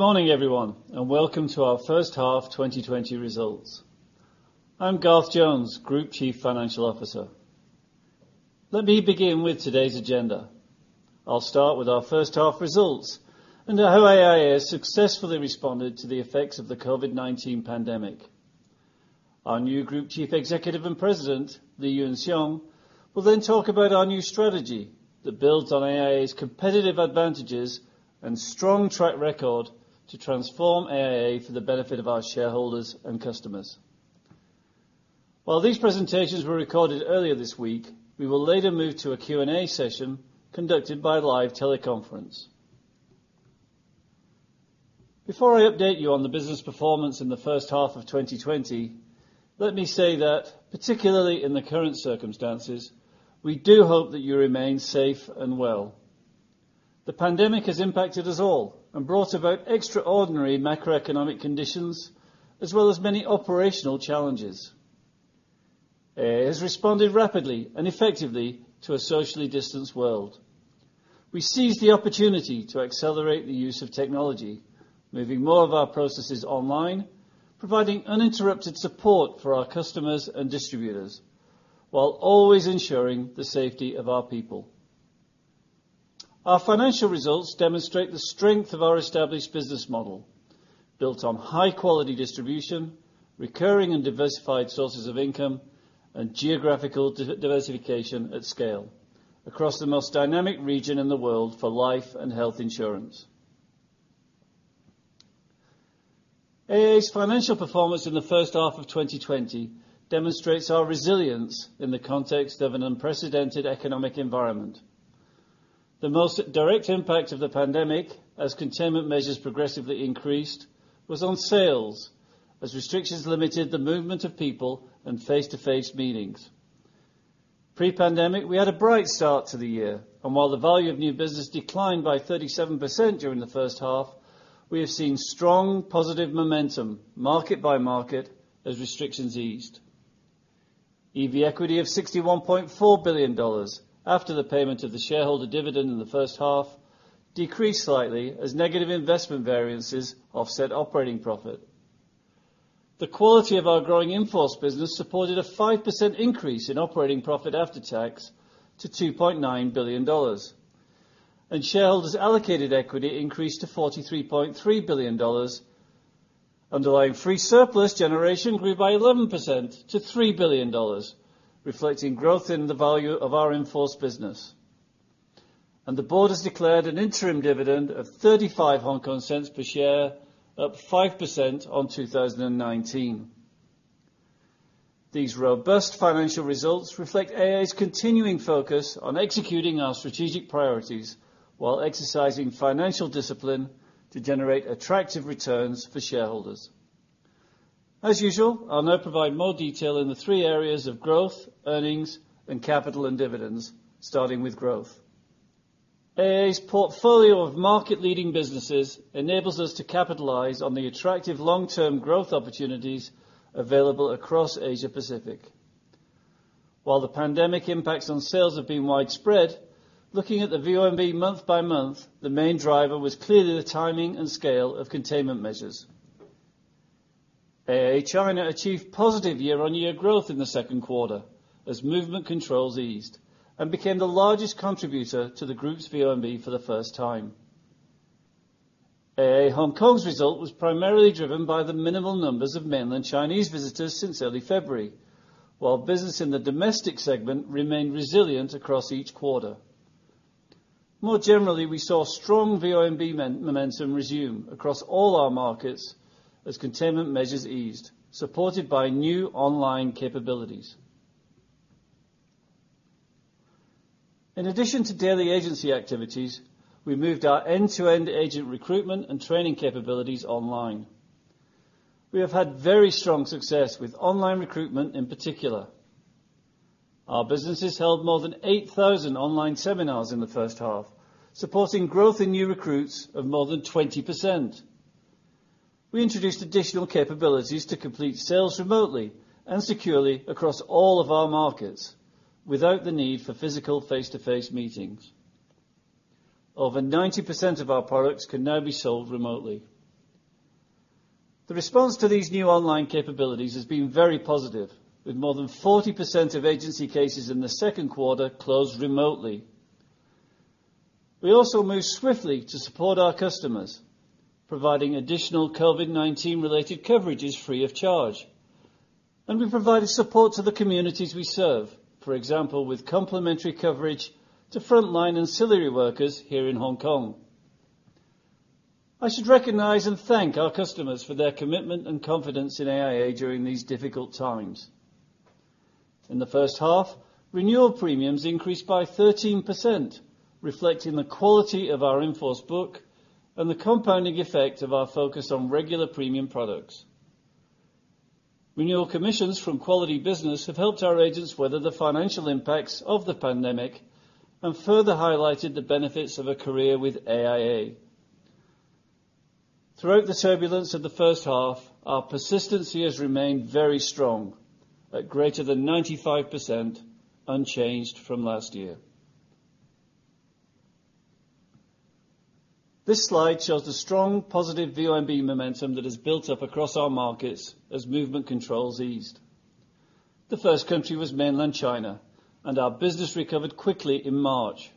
Good morning, everyone. Welcome to our first half 2020 results. I'm Garth Jones, Group Chief Financial Officer. Let me begin with today's agenda. I'll start with our first half results and how AIA successfully responded to the effects of the COVID-19 pandemic. Our new Group Chief Executive and President, Lee Yuan Siong, will talk about our new strategy that builds on AIA's competitive advantages and strong track record to transform AIA for the benefit of our shareholders and customers. These presentations were recorded earlier this week, we will later move to a Q&A session conducted by live teleconference. Before I update you on the business performance in the first half of 2020, let me say that particularly in the current circumstances, we do hope that you remain safe and well. The pandemic has impacted us all and brought about extraordinary macroeconomic conditions, as well as many operational challenges. AIA has responded rapidly and effectively to a socially distanced world. We seized the opportunity to accelerate the use of technology, moving more of our processes online, providing uninterrupted support for our customers and distributors, while always ensuring the safety of our people. Our financial results demonstrate the strength of our established business model, built on high quality distribution, recurring and diversified sources of income, and geographical diversification at scale across the most dynamic region in the world for life and health insurance. AIA's financial performance in the first half of 2020 demonstrates our resilience in the context of an unprecedented economic environment. The most direct impact of the pandemic, as containment measures progressively increased, was on sales, as restrictions limited the movement of people and face-to-face meetings. Pre-pandemic, we had a bright start to the year, and while the value of new business declined by 37% during the first half, we have seen strong positive momentum market by market as restrictions eased. EV equity of $61.4 billion, after the payment of the shareholder dividend in the first half, decreased slightly as negative investment variances offset operating profit. The quality of our growing in-force business supported a 5% increase in operating profit after tax to $2.9 billion. Shareholders' allocated equity increased to $43.3 billion. Underlying free surplus generation grew by 11% to $3 billion, reflecting growth in the value of our in-force business. The board has declared an interim dividend of 0.35 per share, up 5% on 2019. These robust financial results reflect AIA's continuing focus on executing our strategic priorities while exercising financial discipline to generate attractive returns for Shareholders'. As usual, I'll now provide more detail in the three areas of growth, earnings, and capital and dividends, starting with growth. AIA's portfolio of market-leading businesses enables us to capitalize on the attractive long-term growth opportunities available across Asia Pacific. While the pandemic impacts on sales have been widespread, looking at the VONB month by month, the main driver was clearly the timing and scale of containment measures. AIA China achieved positive year-on-year growth in the second quarter as movement controls eased and became the largest contributor to the Group's VONB for the first time. AIA Hong Kong's result was primarily driven by the minimal numbers of Mainland Chinese visitors since early February, while business in the domestic segment remained resilient across each quarter. More generally, we saw strong VONB momentum resume across all our markets as containment measures eased, supported by new online capabilities. In addition to daily agency activities, we moved our end-to-end agent recruitment and training capabilities online. We have had very strong success with online recruitment in particular. Our businesses held more than 8,000 online seminars in the first half, supporting growth in new recruits of more than 20%. We introduced additional capabilities to complete sales remotely and securely across all of our markets without the need for physical face-to-face meetings. Over 90% of our products can now be sold remotely. The response to these new online capabilities has been very positive, with more than 40% of agency cases in the second quarter closed remotely. We also moved swiftly to support our customers, providing additional COVID-19 related coverages free of charge. We provided support to the communities we serve, for example, with complimentary coverage to frontline ancillary workers here in Hong Kong. I should recognize and thank our customers for their commitment and confidence in AIA during these difficult times. In the first half, renewal premiums increased by 13%, reflecting the quality of our in-force book and the compounding effect of our focus on regular premium products. Renewal commissions from quality business have helped our agents weather the financial impacts of the pandemic and further highlighted the benefits of a career with AIA. Throughout the turbulence of the first half, our persistency has remained very strong, at greater than 95% unchanged from last year. This slide shows the strong positive VONB momentum that has built up across our markets as movement controls eased. The first country was mainland China, and our business recovered quickly in March.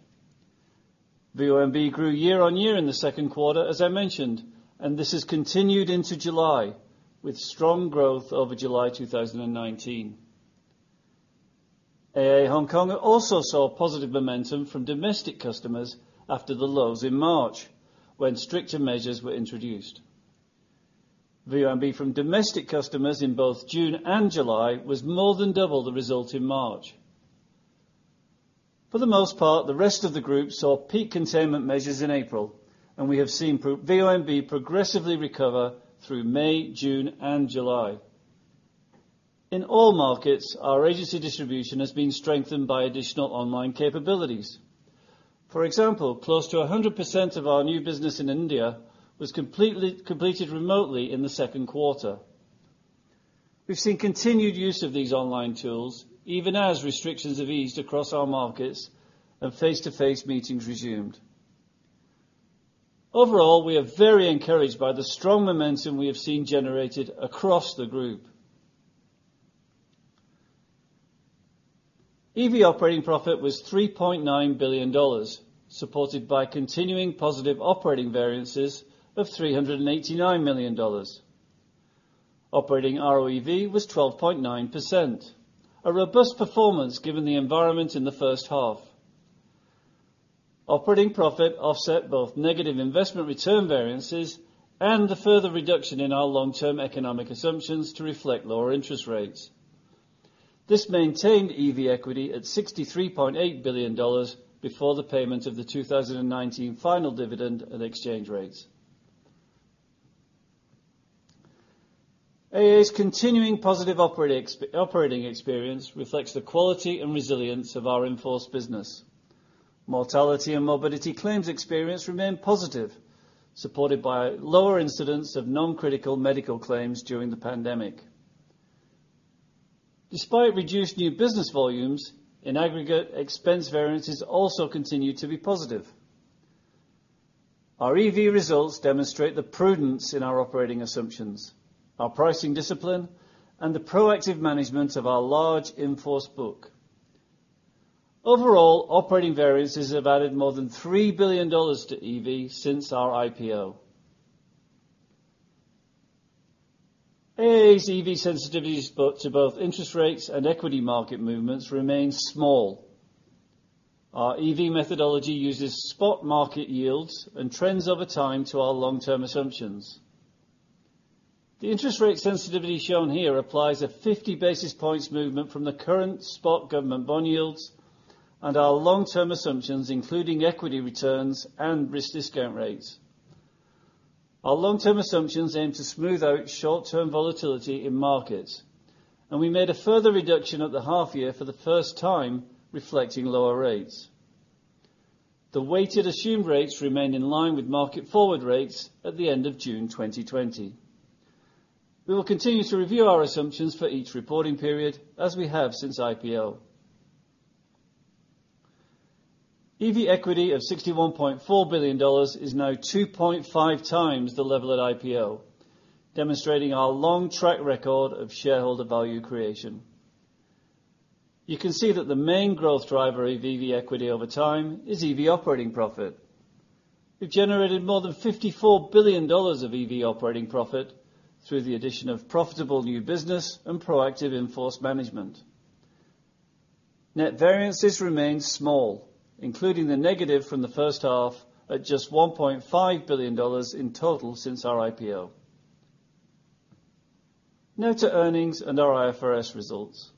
VONB grew year-over-year in the second quarter, as I mentioned, and this has continued into July with strong growth over July 2019. AIA Hong Kong also saw positive momentum from domestic customers after the lows in March, when stricter measures were introduced. VONB from domestic customers in both June and July was more than double the result in March. For the most part, the rest of the group saw peak containment measures in April, and we have seen VONB progressively recover through May, June, and July. In all markets, our agency distribution has been strengthened by additional online capabilities. For example, close to 100% of our new business in India was completed remotely in the second quarter. We've seen continued use of these online tools even as restrictions have eased across our markets and face-to-face meetings resumed. Overall, we are very encouraged by the strong momentum we have seen generated across the group. EV operating profit was $3.9 billion, supported by continuing positive operating variances of $389 million. Operating ROEV was 12.9%, a robust performance given the environment in the first half. Operating profit offset both negative investment return variances and the further reduction in our long-term economic assumptions to reflect lower interest rates. This maintained EV equity at $63.8 billion before the payment of the 2019 final dividend and exchange rates. AIA's continuing positive operating experience reflects the quality and resilience of our in-force business. Mortality and morbidity claims experience remained positive, supported by lower incidents of non-critical medical claims during the pandemic. Despite reduced new business volumes, in aggregate, expense variances also continued to be positive. Our EV results demonstrate the prudence in our operating assumptions, our pricing discipline, and the proactive management of our large in-force book. Operating variances have added more than $3 billion to EV since our IPO. AIA's EV sensitivities to both interest rates and equity market movements remain small. Our EV methodology uses spot market yields and trends over time to our long-term assumptions. The interest rate sensitivity shown here applies a 50 basis points movement from the current spot government bond yields and our long-term assumptions, including equity returns and risk discount rates. Our long-term assumptions aim to smooth out short-term volatility in markets, and we made a further reduction at the half year for the first time, reflecting lower rates. The weighted assumed rates remain in line with market forward rates at the end of June 2020. We will continue to review our assumptions for each reporting period, as we have since IPO. EV equity of $61.4 billion is now 2.5 times the level at IPO, demonstrating our long track record of shareholder value creation. You can see that the main growth driver of EV equity over time is EV operating profit. We've generated more than $54 billion of EV operating profit through the addition of profitable new business and proactive in-force management. Net variances remain small, including the negative from the first half at just $1.5 billion in total since our IPO. Now to earnings and our IFRS results.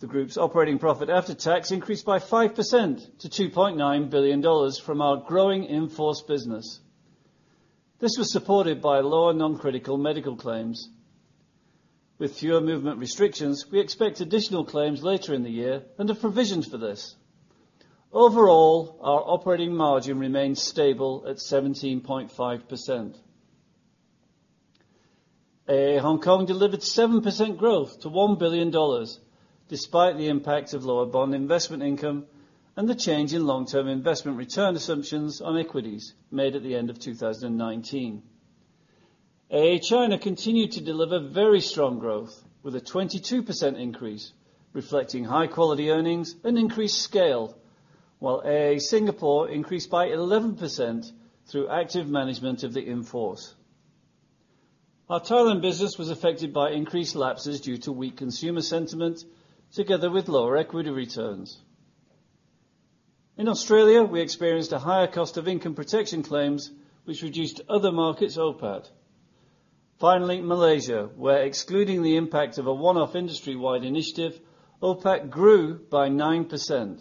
The group's operating profit after tax increased by 5% to $2.9 billion from our growing in-force business. This was supported by lower non-critical medical claims. With fewer movement restrictions, we expect additional claims later in the year and have provisions for this. Overall, our operating margin remains stable at 17.5%. AIA Hong Kong delivered 7% growth to $1 billion, despite the impact of lower bond investment income and the change in long-term investment return assumptions on equities made at the end of 2019. AIA China continued to deliver very strong growth, with a 22% increase reflecting high-quality earnings and increased scale, while AIA Singapore increased by 11% through active management of the in-force. Our Thailand business was affected by increased lapses due to weak consumer sentiment together with lower equity returns. In Australia, we experienced a higher cost of income protection claims, which reduced other markets OPAT. Finally, Malaysia, where excluding the impact of a one-off industry-wide initiative, OPAT grew by 9%.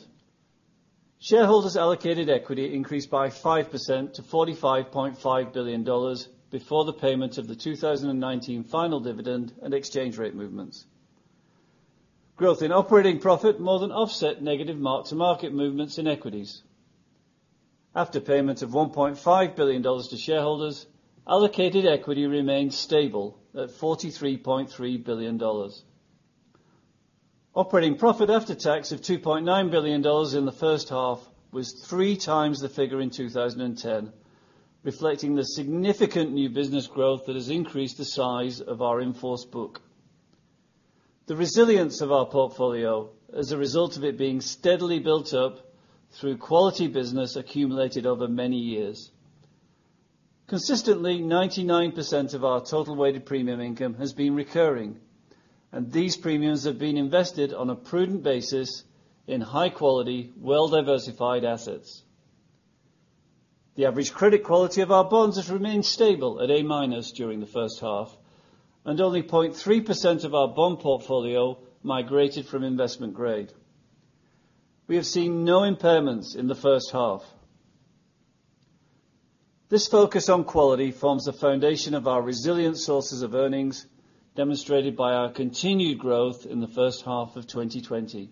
Shareholders' allocated equity increased by 5% to $45.5 billion before the payment of the 2019 final dividend and exchange rate movements. Growth in operating profit more than offset negative mark-to-market movements in equities. After payment of $1.5 billion to shareholders, allocated equity remained stable at $43.3 billion. Operating profit after tax of $2.9 billion in the first half was three times the figure in 2010, reflecting the significant new business growth that has increased the size of our in-force book. The resilience of our portfolio as a result of it being steadily built up through quality business accumulated over many years. Consistently, 99% of our total weighted premium income has been recurring, and these premiums have been invested on a prudent basis in high quality, well-diversified assets. The average credit quality of our bonds has remained stable at A-minus during the first half, and only 0.3% of our bond portfolio migrated from investment grade. We have seen no impairments in the first half. This focus on quality forms a foundation of our resilient sources of earnings, demonstrated by our continued growth in the first half of 2020.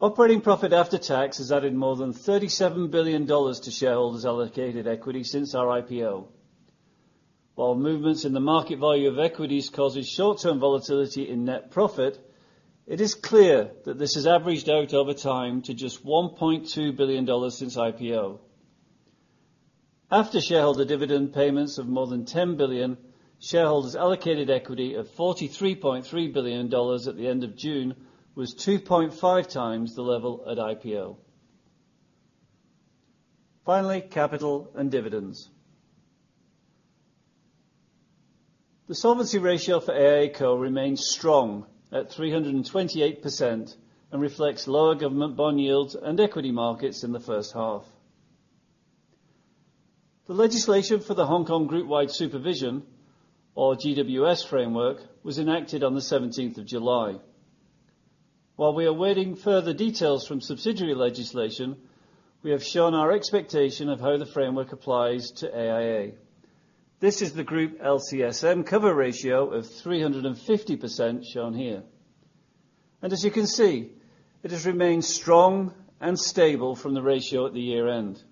Operating profit after tax has added more than $37 billion to Shareholders' allocated equity since our IPO. While movements in the market value of equities causes short-term volatility in net profit, it is clear that this has averaged out over time to just $1.2 billion since IPO. After shareholder dividend payments of more than $10 billion, Shareholders' allocated equity of $43.3 billion at the end of June was 2.5 times the level at IPO. Finally, capital and dividends. The solvency ratio for AIA Co remains strong at 328% and reflects lower government bond yields and equity markets in the first half. The legislation for the Hong Kong Group Wide Supervision, or GWS framework, was enacted on the 17th of July. While we are awaiting further details from subsidiary legislation, we have shown our expectation of how the framework applies to AIA. This is the group LCSM cover ratio of 350% shown here. As you can see, it has remained strong and stable from the ratio at the year-end.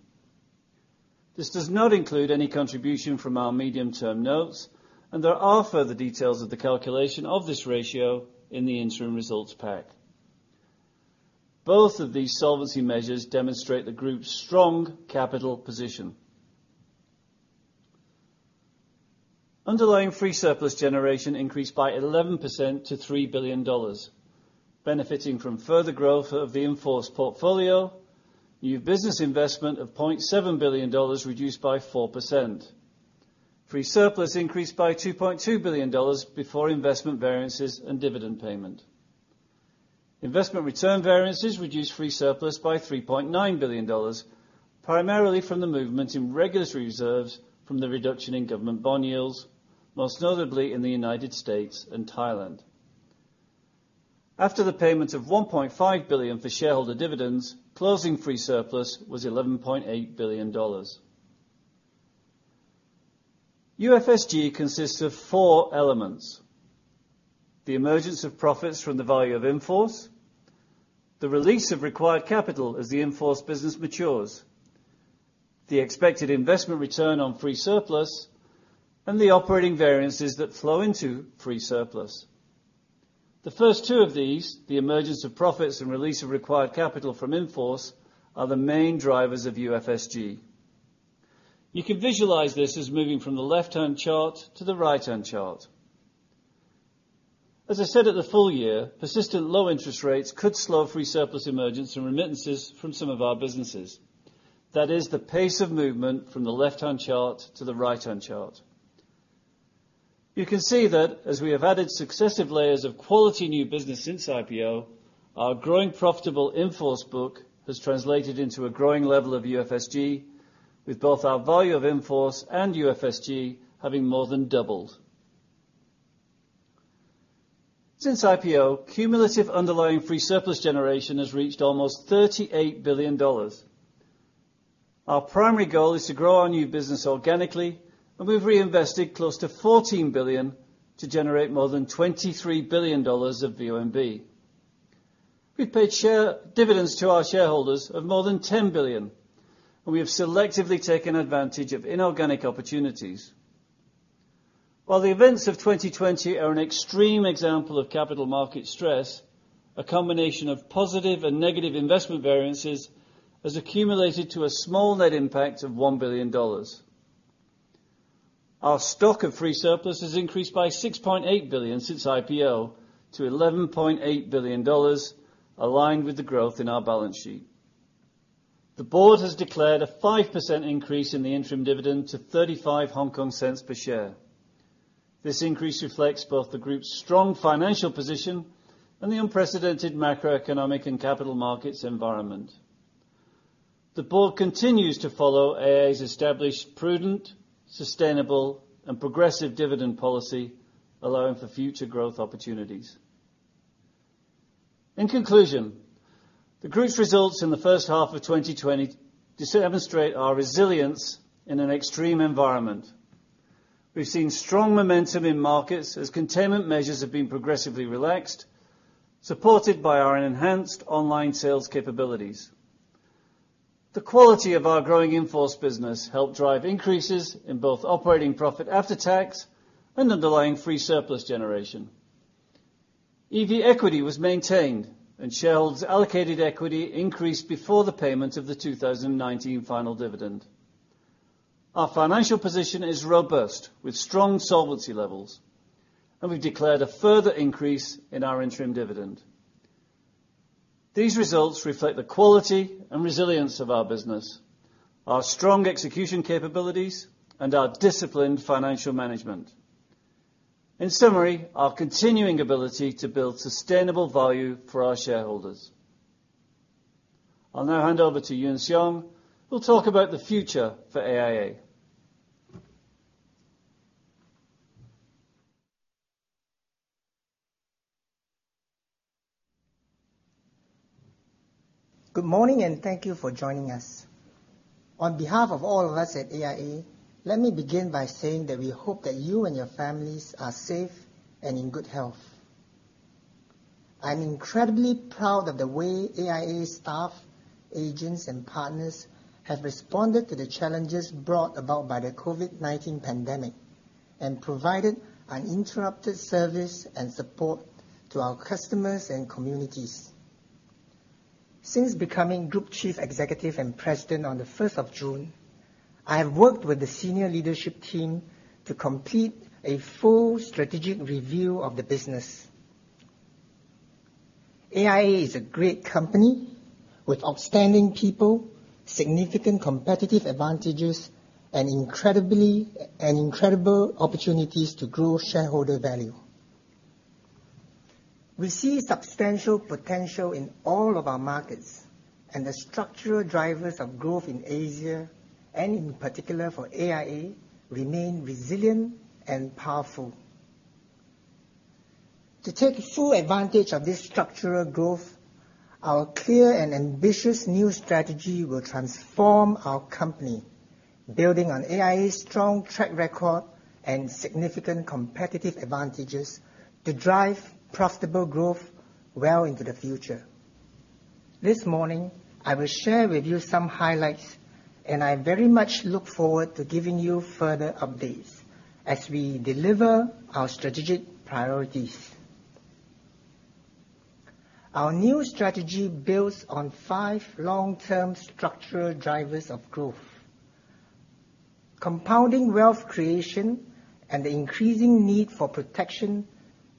This does not include any contribution from our medium-term notes. There are further details of the calculation of this ratio in the interim results pack. Both of these solvency measures demonstrate the group's strong capital position. Underlying free surplus generation increased by 11% to $3 billion, benefiting from further growth of the in-force portfolio. New business investment of $0.7 billion, reduced by 4%. Free surplus increased by $2.2 billion before investment variances and dividend payment. Investment return variances reduced free surplus by $3.9 billion, primarily from the movement in regulatory reserves from the reduction in government bond yields, most notably in the United States and Thailand. After the payment of $1.5 billion for shareholder dividends, closing free surplus was $11.8 billion. UFSG consists of four elements: The emergence of profits from the value of in-force, the release of required capital as the in-force business matures, the expected investment return on free surplus, and the operating variances that flow into free surplus. The first two of these, the emergence of profits and release of required capital from in-force, are the main drivers of UFSG. You can visualize this as moving from the left-hand chart to the right-hand chart. As I said at the full year, persistent low interest rates could slow free surplus emergence and remittances from some of our businesses. That is the pace of movement from the left-hand chart to the right-hand chart. You can see that as we have added successive layers of quality new business since IPO, our growing profitable in-force book has translated into a growing level of UFSG with both our value of in-force and UFSG having more than doubled. Since IPO, cumulative underlying free surplus generation has reached almost $38 billion. Our primary goal is to grow our new business organically. We've reinvested close to $14 billion to generate more than $23 billion of VONB. We've paid dividends to our Shareholders' of more than $10 billion. We have selectively taken advantage of inorganic opportunities. While the events of 2020 are an extreme example of capital market stress, a combination of positive and negative investment variances has accumulated to a small net impact of $1 billion. Our stock of free surplus has increased by $6.8 billion since IPO to $11.8 billion, aligned with the growth in our balance sheet. The board has declared a 5% increase in the interim dividend to 0.35 per share. This increase reflects both the group's strong financial position and the unprecedented macroeconomic and capital markets environment. The board continues to follow AIA's established, prudent, sustainable, and progressive dividend policy, allowing for future growth opportunities. In conclusion, the group's results in the first half of 2020 demonstrate our resilience in an extreme environment. We've seen strong momentum in markets as containment measures have been progressively relaxed, supported by our enhanced online sales capabilities. The quality of our growing in-force business helped drive increases in both operating profit after tax and underlying free surplus generation. EV equity was maintained. Shareholders' allocated equity increased before the payment of the 2019 final dividend. Our financial position is robust, with strong solvency levels. We've declared a further increase in our interim dividend. These results reflect the quality and resilience of our business, our strong execution capabilities, and our disciplined financial management. In summary, our continuing ability to build sustainable value for our shareholders. I'll now hand over to Yuan Siong, who'll talk about the future for AIA. Good morning, and thank you for joining us. On behalf of all of us at AIA, let me begin by saying that we hope that you and your families are safe and in good health. I'm incredibly proud of the way AIA staff, agents, and partners have responded to the challenges brought about by the COVID-19 pandemic and provided uninterrupted service and support to our customers and communities. Since becoming Group Chief Executive and President on the 1st of June, I have worked with the senior leadership team to complete a full strategic review of the business. AIA is a great company with outstanding people, significant competitive advantages, and incredible opportunities to grow shareholder value. We see substantial potential in all of our markets, and the structural drivers of growth in Asia, and in particular for AIA, remain resilient and powerful. To take full advantage of this structural growth, our clear and ambitious new strategy will transform our company, building on AIA's strong track record and significant competitive advantages to drive profitable growth well into the future. This morning, I will share with you some highlights, and I very much look forward to giving you further updates as we deliver our strategic priorities. Our new strategy builds on five long-term structural drivers of growth. Compounding wealth creation and the increasing need for protection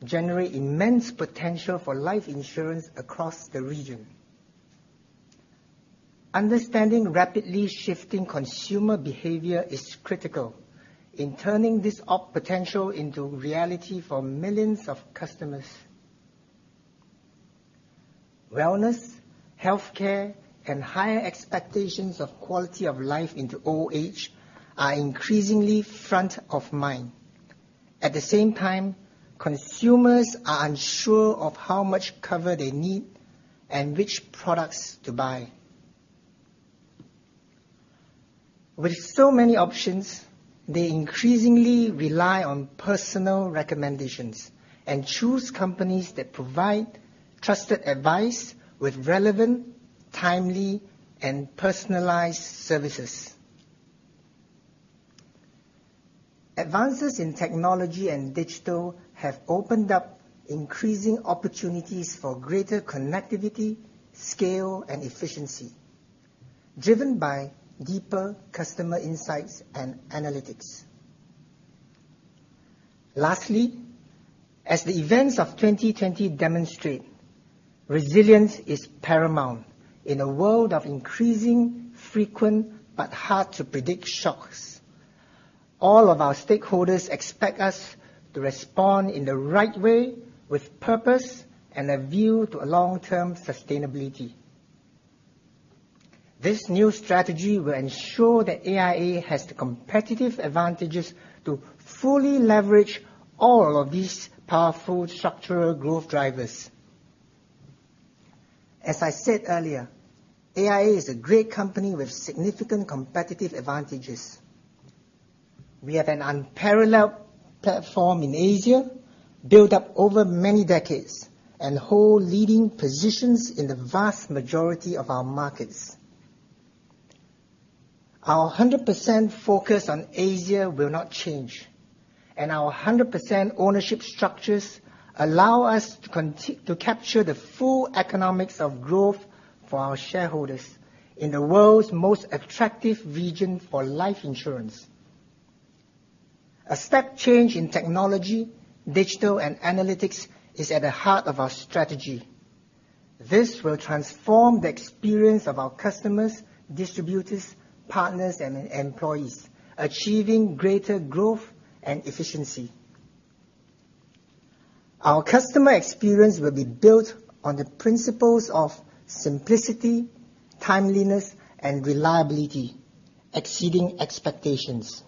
generate immense potential for life insurance across the region. Understanding rapidly shifting consumer behavior is critical in turning this potential into reality for millions of customers. Wellness, healthcare, and higher expectations of quality of life into old age are increasingly front of mind. At the same time, consumers are unsure of how much cover they need and which products to buy. With so many options, they increasingly rely on personal recommendations and choose companies that provide trusted advice with relevant, timely, and personalized services. Advances in technology and digital have opened up increasing opportunities for greater connectivity, scale, and efficiency, driven by deeper customer insights and analytics. Lastly, as the events of 2020 demonstrate, resilience is paramount in a world of increasing frequent but hard-to-predict shocks. All of our stakeholders expect us to respond in the right way with purpose and a view to long-term sustainability. This new strategy will ensure that AIA has the competitive advantages to fully leverage all of these powerful structural growth drivers. As I said earlier, AIA is a great company with significant competitive advantages. We have an unparalleled platform in Asia, built up over many decades, and hold leading positions in the vast majority of our markets. Our 100% focus on Asia will not change, and our 100% ownership structures allow us to capture the full economics of growth for our shareholders in the world's most attractive region for life insurance. A step change in technology, digital, and analytics is at the heart of our strategy. This will transform the experience of our customers, distributors, partners, and employees, achieving greater growth and efficiency. Our customer experience will be built on the principles of simplicity, timeliness, and reliability, exceeding expectations.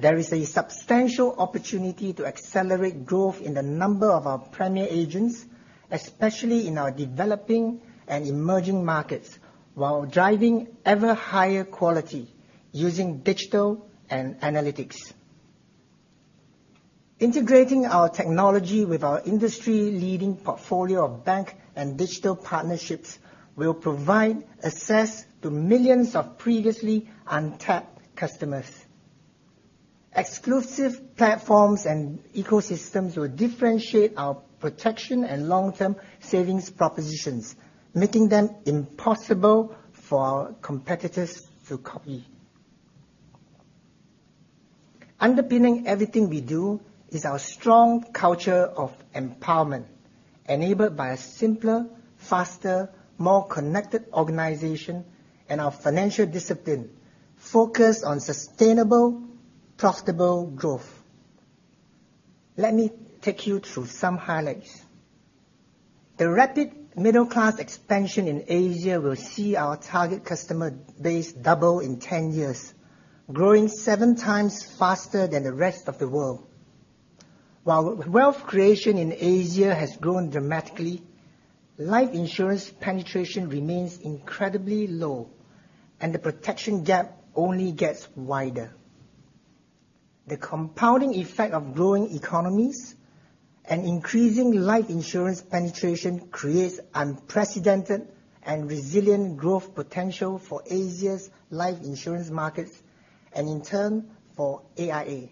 There is a substantial opportunity to accelerate growth in the number of our premier agents, especially in our developing and emerging markets, while driving ever higher quality using digital and analytics. Integrating our technology with our industry-leading portfolio of bank and digital partnerships will provide access to millions of previously untapped customers. Exclusive platforms and ecosystems will differentiate our protection and long-term savings propositions, making them impossible for our competitors to copy. Underpinning everything we do is our strong culture of empowerment, enabled by a simpler, faster, more connected organization and our financial discipline focused on sustainable, profitable growth. Let me take you through some highlights. The rapid middle class expansion in Asia will see our target customer base double in 10 years, growing seven times faster than the rest of the world. While wealth creation in Asia has grown dramatically, life insurance penetration remains incredibly low, and the protection gap only gets wider. The compounding effect of growing economies and increasing life insurance penetration creates unprecedented and resilient growth potential for Asia's life insurance markets, and in turn, for AIA.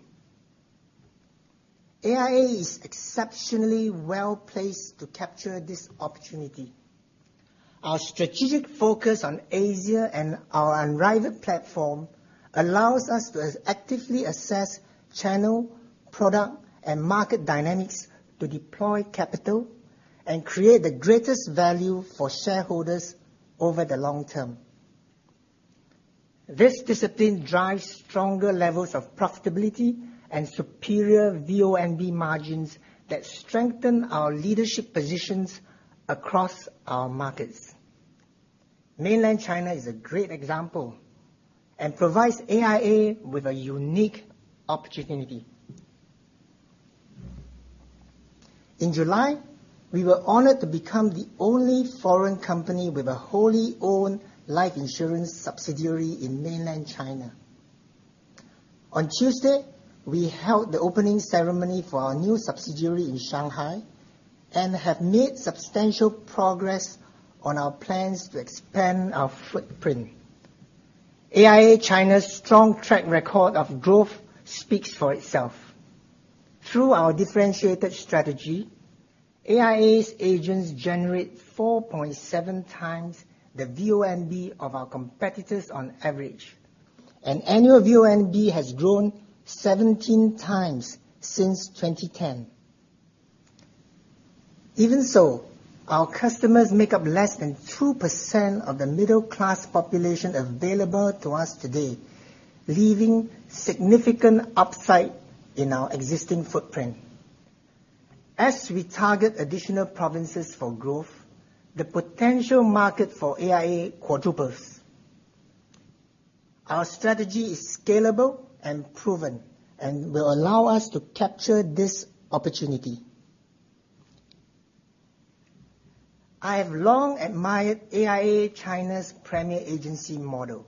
AIA is exceptionally well-placed to capture this opportunity. Our strategic focus on Asia and our unrivaled platform allows us to actively assess channel, product, and market dynamics to deploy capital and create the greatest value for Shareholders over the long term. This discipline drives stronger levels of profitability and superior VONB margins that strengthen our leadership positions across our markets. Mainland China is a great example and provides AIA with a unique opportunity. In July, we were honored to become the only foreign company with a wholly owned life insurance subsidiary in mainland China. On Tuesday, we held the opening ceremony for our new subsidiary in Shanghai and have made substantial progress on our plans to expand our footprint. AIA China's strong track record of growth speaks for itself. Through our differentiated strategy, AIA's agents generate 4.7 times the VONB of our competitors on average, and annual VONB has grown 17 times since 2010. Even so, our customers make up less than 2% of the middle-class population available to us today, leaving significant upside in our existing footprint. As we target additional provinces for growth, the potential market for AIA quadruples. Our strategy is scalable and proven and will allow us to capture this opportunity. I have long admired AIA China's premier agency model.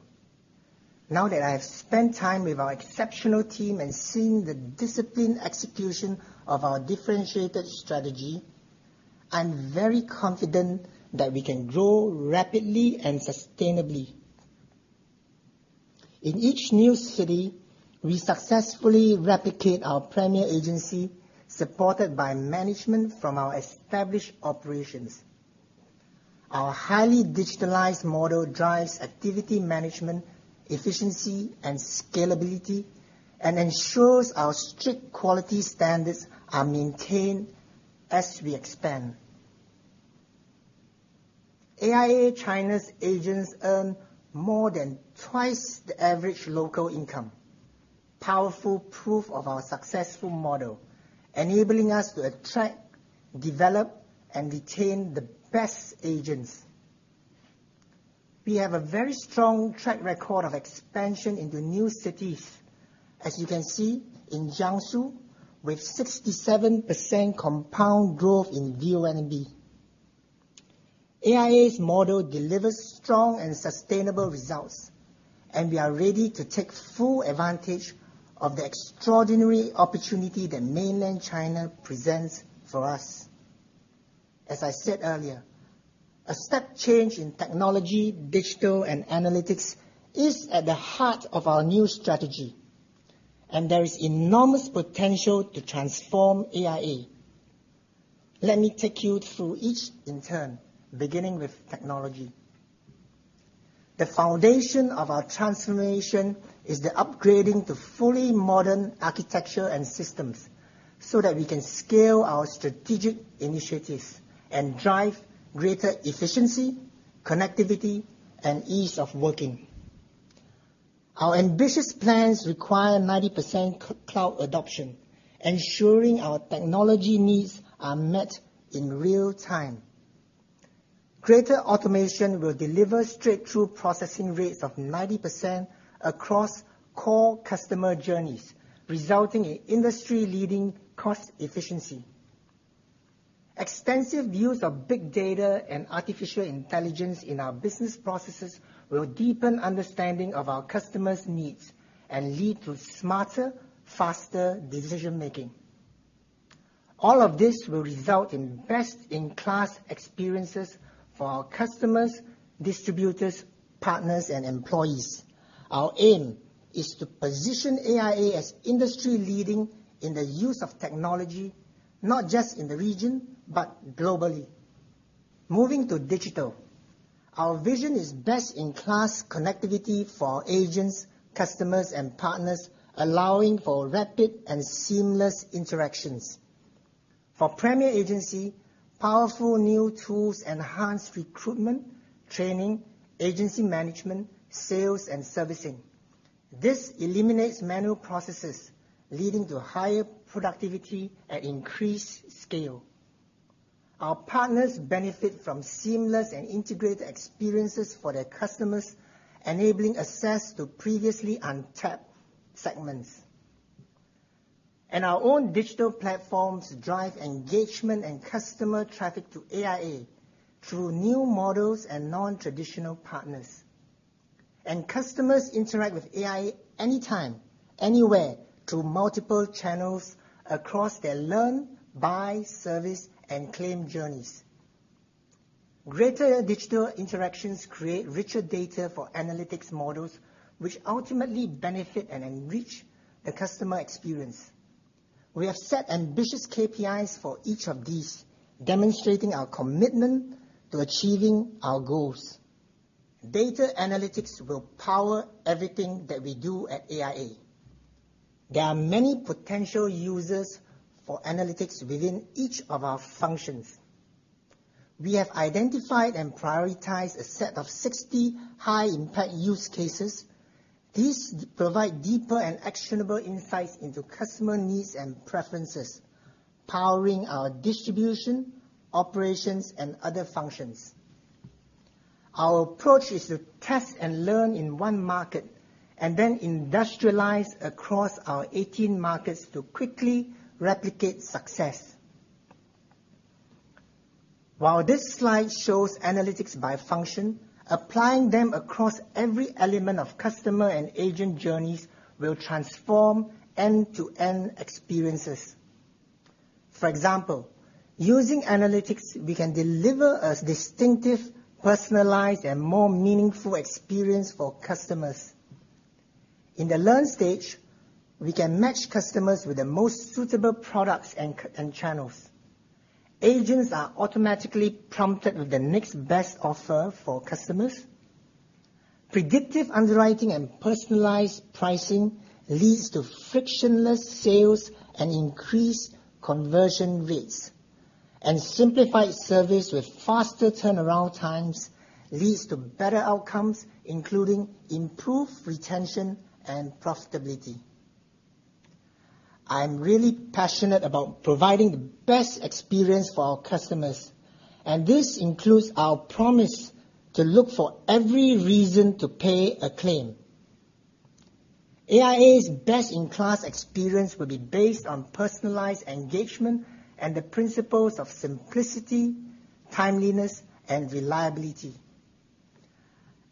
Now that I have spent time with our exceptional team and seen the disciplined execution of our differentiated strategy, I'm very confident that we can grow rapidly and sustainably. In each new city, we successfully replicate our premier agency, supported by management from our established operations. Our highly digitalized model drives activity management, efficiency, and scalability, and ensures our strict quality standards are maintained as we expand. AIA China's agents earn more than twice the average local income, powerful proof of our successful model, enabling us to attract, develop, and retain the best agents. We have a very strong track record of expansion into new cities. As you can see in Jiangsu, with 67% compound growth in VONB. AIA's model delivers strong and sustainable results, and we are ready to take full advantage of the extraordinary opportunity that mainland China presents for us. As I said earlier, a step change in Technology, Digital, and Analytics is at the heart of our new strategy, and there is enormous potential to transform AIA. Let me take you through each in turn, beginning with technology. The foundation of our transformation is the upgrading to fully modern architecture and systems so that we can scale our strategic initiatives and drive greater efficiency, connectivity, and ease of working. Our ambitious plans require 90% cloud adoption, ensuring our technology needs are met in real time. Greater automation will deliver straight-through processing rates of 90% across core customer journeys, resulting in industry-leading cost efficiency. Extensive use of big data and artificial intelligence in our business processes will deepen understanding of our customers' needs and lead to smarter, faster decision-making. All of this will result in best-in-class experiences for our customers, distributors, partners, and employees. Our aim is to position AIA as industry-leading in the use of technology, not just in the region, but globally. Moving to digital, our vision is best-in-class connectivity for our agents, customers, and partners, allowing for rapid and seamless interactions. For Premier Agency, powerful new tools enhance recruitment, training, agency management, sales, and servicing. This eliminates manual processes, leading to higher productivity at increased scale. Our partners benefit from seamless and integrated experiences for their customers, enabling access to previously untapped segments. Our own digital platforms drive engagement and customer traffic to AIA through new models and non-traditional partners. Customers interact with AIA anytime, anywhere through multiple channels across their learn, buy, service, and claim journeys. Greater digital interactions create richer data for analytics models, which ultimately benefit and enrich the customer experience. We have set ambitious KPIs for each of these, demonstrating our commitment to achieving our goals. Data analytics will power everything that we do at AIA. There are many potential uses for analytics within each of our functions. We have identified and prioritized a set of 60 high-impact use cases. These provide deeper and actionable insights into customer needs and preferences, powering our distribution, operations, and other functions. Our approach is to test and learn in one market and then industrialize across our 18 markets to quickly replicate success. While this slide shows analytics by function, applying them across every element of customer and agent journeys will transform end-to-end experiences. For example, using analytics, we can deliver a distinctive, personalized, and more meaningful experience for customers. In the learn stage, we can match customers with the most suitable products and channels. Agents are automatically prompted with the next best offer for customers. Predictive underwriting and personalized pricing leads to frictionless sales and increased conversion rates. Simplified service with faster turnaround times leads to better outcomes, including improved retention and profitability. I'm really passionate about providing the best experience for our customers, and this includes our promise to look for every reason to pay a claim. AIA's best-in-class experience will be based on personalized engagement and the principles of simplicity, timeliness, and reliability.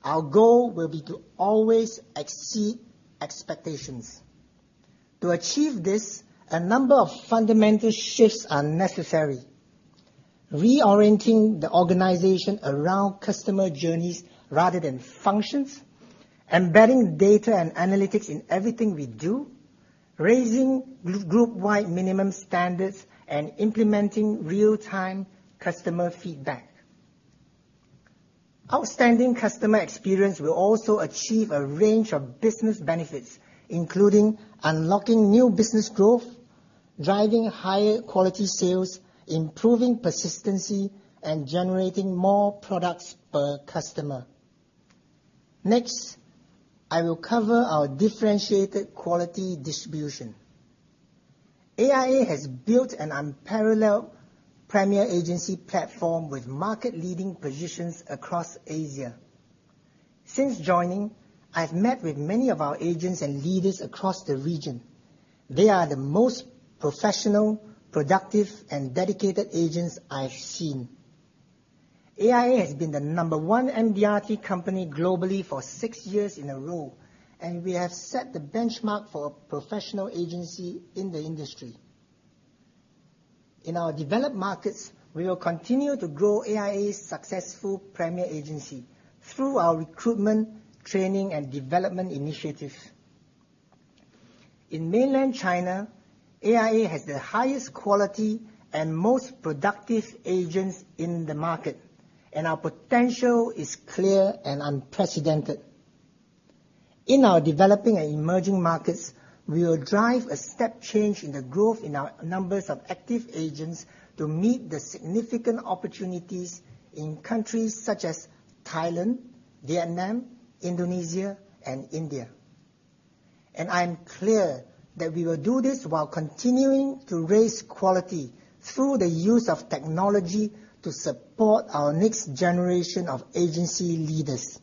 Our goal will be to always exceed expectations. To achieve this, a number of fundamental shifts are necessary. Reorienting the organization around customer journeys rather than functions, embedding data and analytics in everything we do, raising group-wide minimum standards, and implementing real-time customer feedback. Outstanding customer experience will also achieve a range of business benefits, including unlocking new business growth, driving higher quality sales, improving persistency, and generating more products per customer. Next, I will cover our differentiated quality distribution. AIA has built an unparalleled Premier Agency platform with market-leading positions across Asia. Since joining, I've met with many of our agents and leaders across the region. They are the most professional, productive, and dedicated agents I've seen. AIA has been the number one MDRT company globally for six years in a row, and we have set the benchmark for a professional agency in the industry. In our developed markets, we will continue to grow AIA's successful Premier Agency through our recruitment, training, and development initiatives. In mainland China, AIA has the highest quality and most productive agents in the market, and our potential is clear and unprecedented. In our developing and emerging markets, we will drive a step change in the growth in our numbers of active agents to meet the significant opportunities in countries such as Thailand, Vietnam, Indonesia, and India. I am clear that we will do this while continuing to raise quality through the use of technology to support our next generation of agency leaders.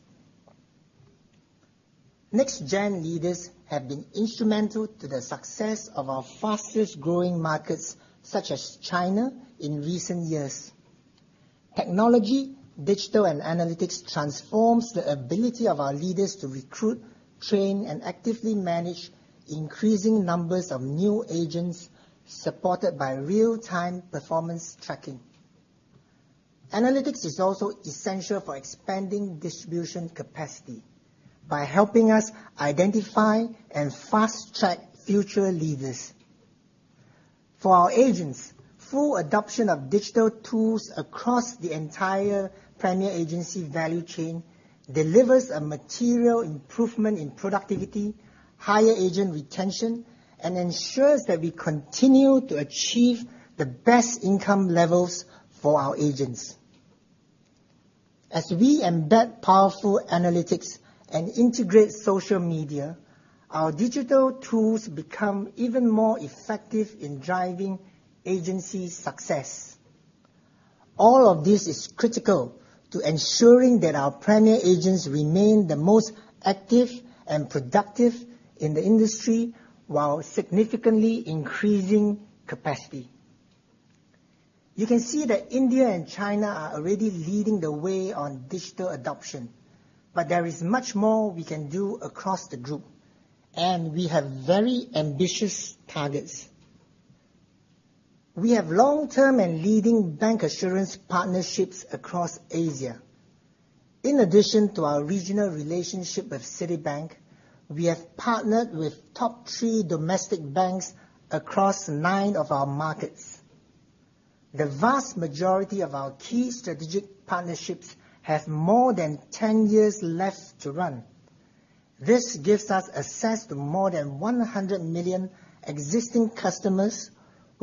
Next-gen leaders have been instrumental to the success of our fastest-growing markets, such as China, in recent years. Technology, Digital, and Analytics transforms the ability of our leaders to recruit, train, and actively manage increasing numbers of new agents, supported by real-time performance tracking. Analytics is also essential for expanding distribution capacity by helping us identify and fast-track future leaders. For our agents, full adoption of digital tools across the entire Premier Agency value chain delivers a material improvement in productivity, higher agent retention, and ensures that we continue to achieve the best income levels for our agents. As we embed powerful analytics and integrate social media, our digital tools become even more effective in driving agency success. All of this is critical to ensuring that our Premier Agents remain the most active and productive in the industry while significantly increasing capacity. You can see that India and China are already leading the way on digital adoption, but there is much more we can do across the Group, and we have very ambitious targets. We have long-term and leading bank assurance partnerships across Asia. In addition to our regional relationship with Citibank, we have partnered with top three domestic banks across nine of our markets. The vast majority of our key strategic partnerships have more than 10 years left to run. This gives us access to more than 100 million existing customers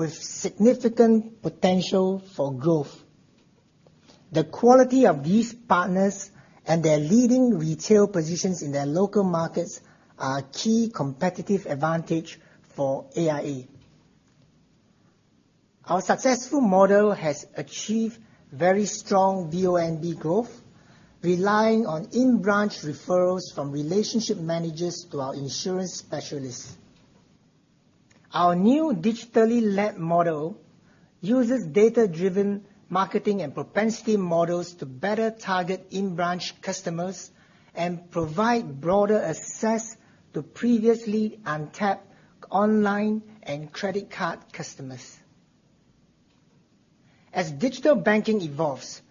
with significant potential for growth. The quality of these partners and their leading retail positions in their local markets are a key competitive advantage for AIA. Our successful model has achieved very strong VONB growth, relying on in-branch referrals from relationship managers to our insurance specialists. Our new digitally-led model uses data-driven marketing and propensity models to better target in-branch customers and provide broader access to previously untapped online and credit card customers. As digital banking evolves,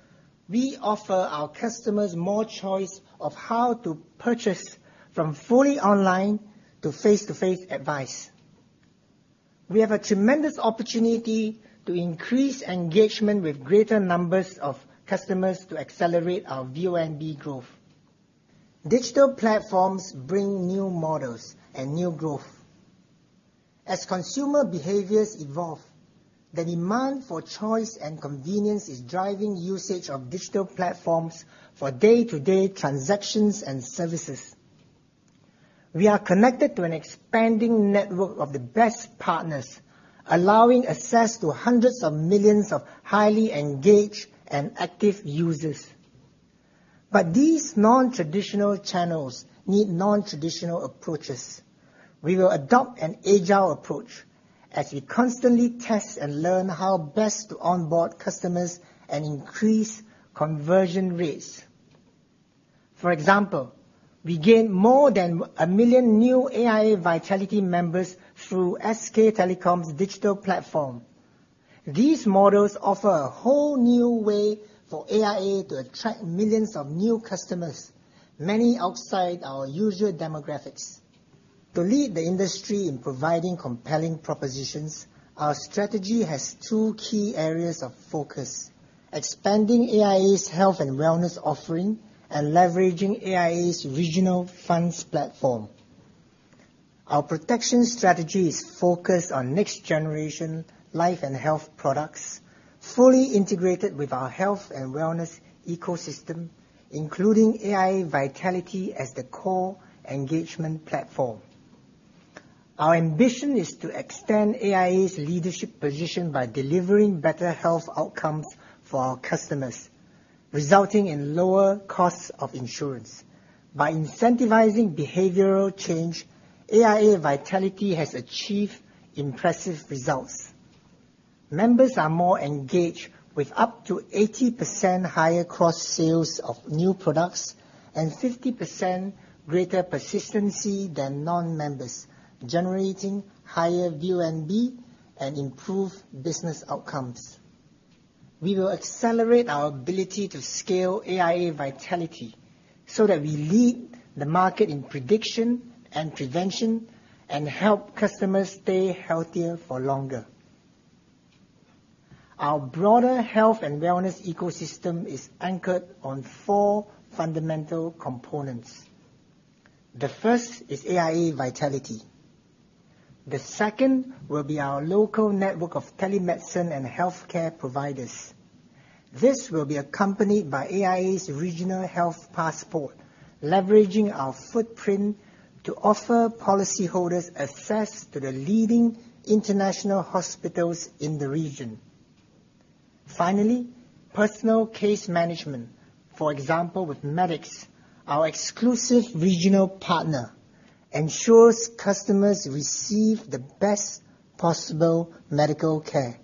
we offer our customers more choice of how to purchase, from fully online to face-to-face advice. We have a tremendous opportunity to increase engagement with greater numbers of customers to accelerate our VONB growth. Digital platforms bring new models and new growth. As consumer behaviors evolve, the demand for choice and convenience is driving usage of digital platforms for day-to-day transactions and services. We are connected to an expanding network of the best partners, allowing access to hundreds of millions of highly engaged and active users. These non-traditional channels need non-traditional approaches. We will adopt an agile approach as we constantly test and learn how best to onboard customers and increase conversion rates. For example, we gained more than a million new AIA Vitality members through SK Telecom's digital platform. These models offer a whole new way for AIA to attract millions of new customers, many outside our usual demographics. To lead the industry in providing compelling propositions, our strategy has two key areas of focus, expanding AIA's health and wellness offering and leveraging AIA's regional funds platform. Our protection strategy is focused on next-generation life and health products, fully integrated with our health and wellness ecosystem, including AIA Vitality as the core engagement platform. Our ambition is to extend AIA's leadership position by delivering better health outcomes for our customers, resulting in lower costs of insurance. By incentivizing behavioral change, AIA Vitality has achieved impressive results. Members are more engaged with up to 80% higher cross-sales of new products and 50% greater persistency than non-members, generating higher VONB and improved business outcomes. We will accelerate our ability to scale AIA Vitality so that we lead the market in prediction and prevention and help customers stay healthier for longer. Our broader health and wellness ecosystem is anchored on four fundamental components. The first is AIA Vitality. The second will be our local network of telemedicine and healthcare providers. This will be accompanied by AIA Regional Health Passport, leveraging our footprint to offer policyholders access to the leading international hospitals in the region. Finally, personal case management, for example, with Medix, our exclusive regional partner, ensures customers receive the best possible medical care.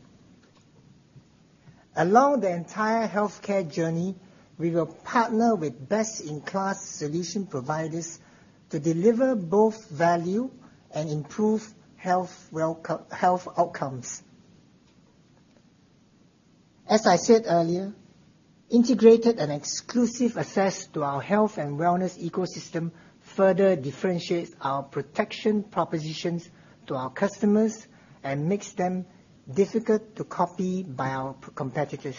Along the entire healthcare journey, we will partner with best-in-class solution providers to deliver both value and improve health outcomes. As I said earlier, integrated and exclusive access to our health and wellness ecosystem further differentiates our protection propositions to our customers and makes them difficult to copy by our competitors.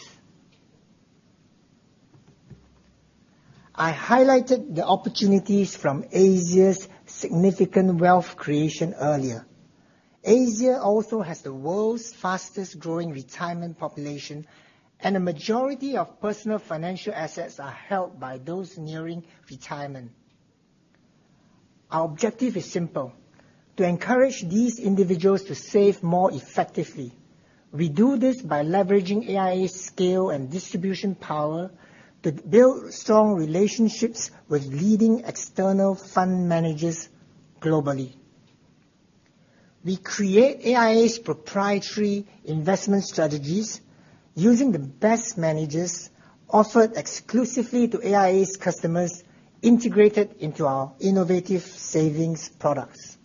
I highlighted the opportunities from Asia's significant wealth creation earlier. Asia also has the world's fastest-growing retirement population, and a majority of personal financial assets are held by those nearing retirement. Our objective is simple: to encourage these individuals to save more effectively. We do this by leveraging AIA's scale and distribution power to build strong relationships with leading external fund managers globally. We create AIA's proprietary investment strategies using the best managers offered exclusively to AIA's customers, integrated into our innovative savings products.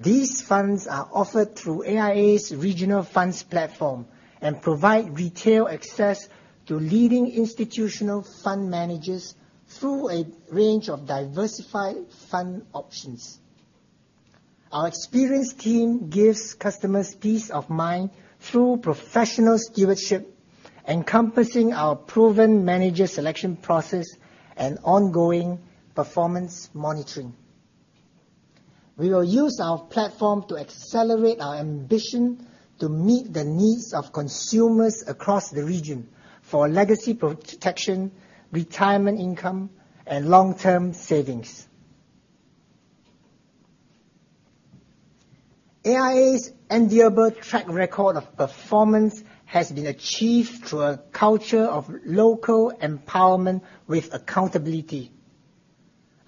These funds are offered through AIA's regional funds platform and provide retail access to leading institutional fund managers through a range of diversified fund options. Our experienced team gives customers peace of mind through professional stewardship, encompassing our proven manager selection process and ongoing performance monitoring. We will use our platform to accelerate our ambition to meet the needs of consumers across the region for legacy protection, retirement income, and long-term savings. AIA's enviable track record of performance has been achieved through a culture of local empowerment with accountability.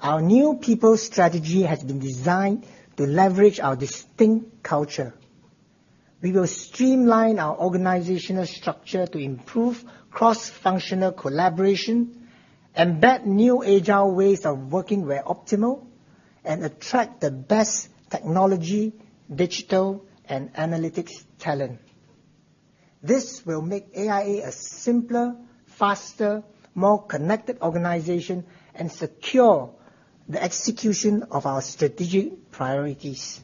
Our new people strategy has been designed to leverage our distinct culture. We will streamline our organizational structure to improve cross-functional collaboration, embed new agile ways of working where optimal, and attract the best technology, digital, and analytics talent. This will make AIA a simpler, faster, more connected organization and secure the execution of our strategic priorities.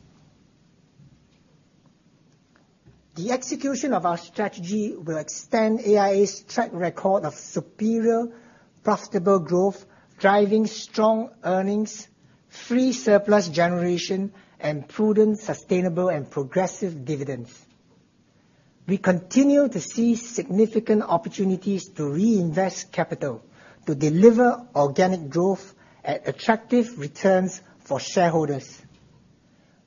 The execution of our strategy will extend AIA's track record of superior, profitable growth, driving strong earnings, free surplus generation, and prudent, sustainable, and progressive dividends. We continue to see significant opportunities to reinvest capital to deliver organic growth at attractive returns for shareholders.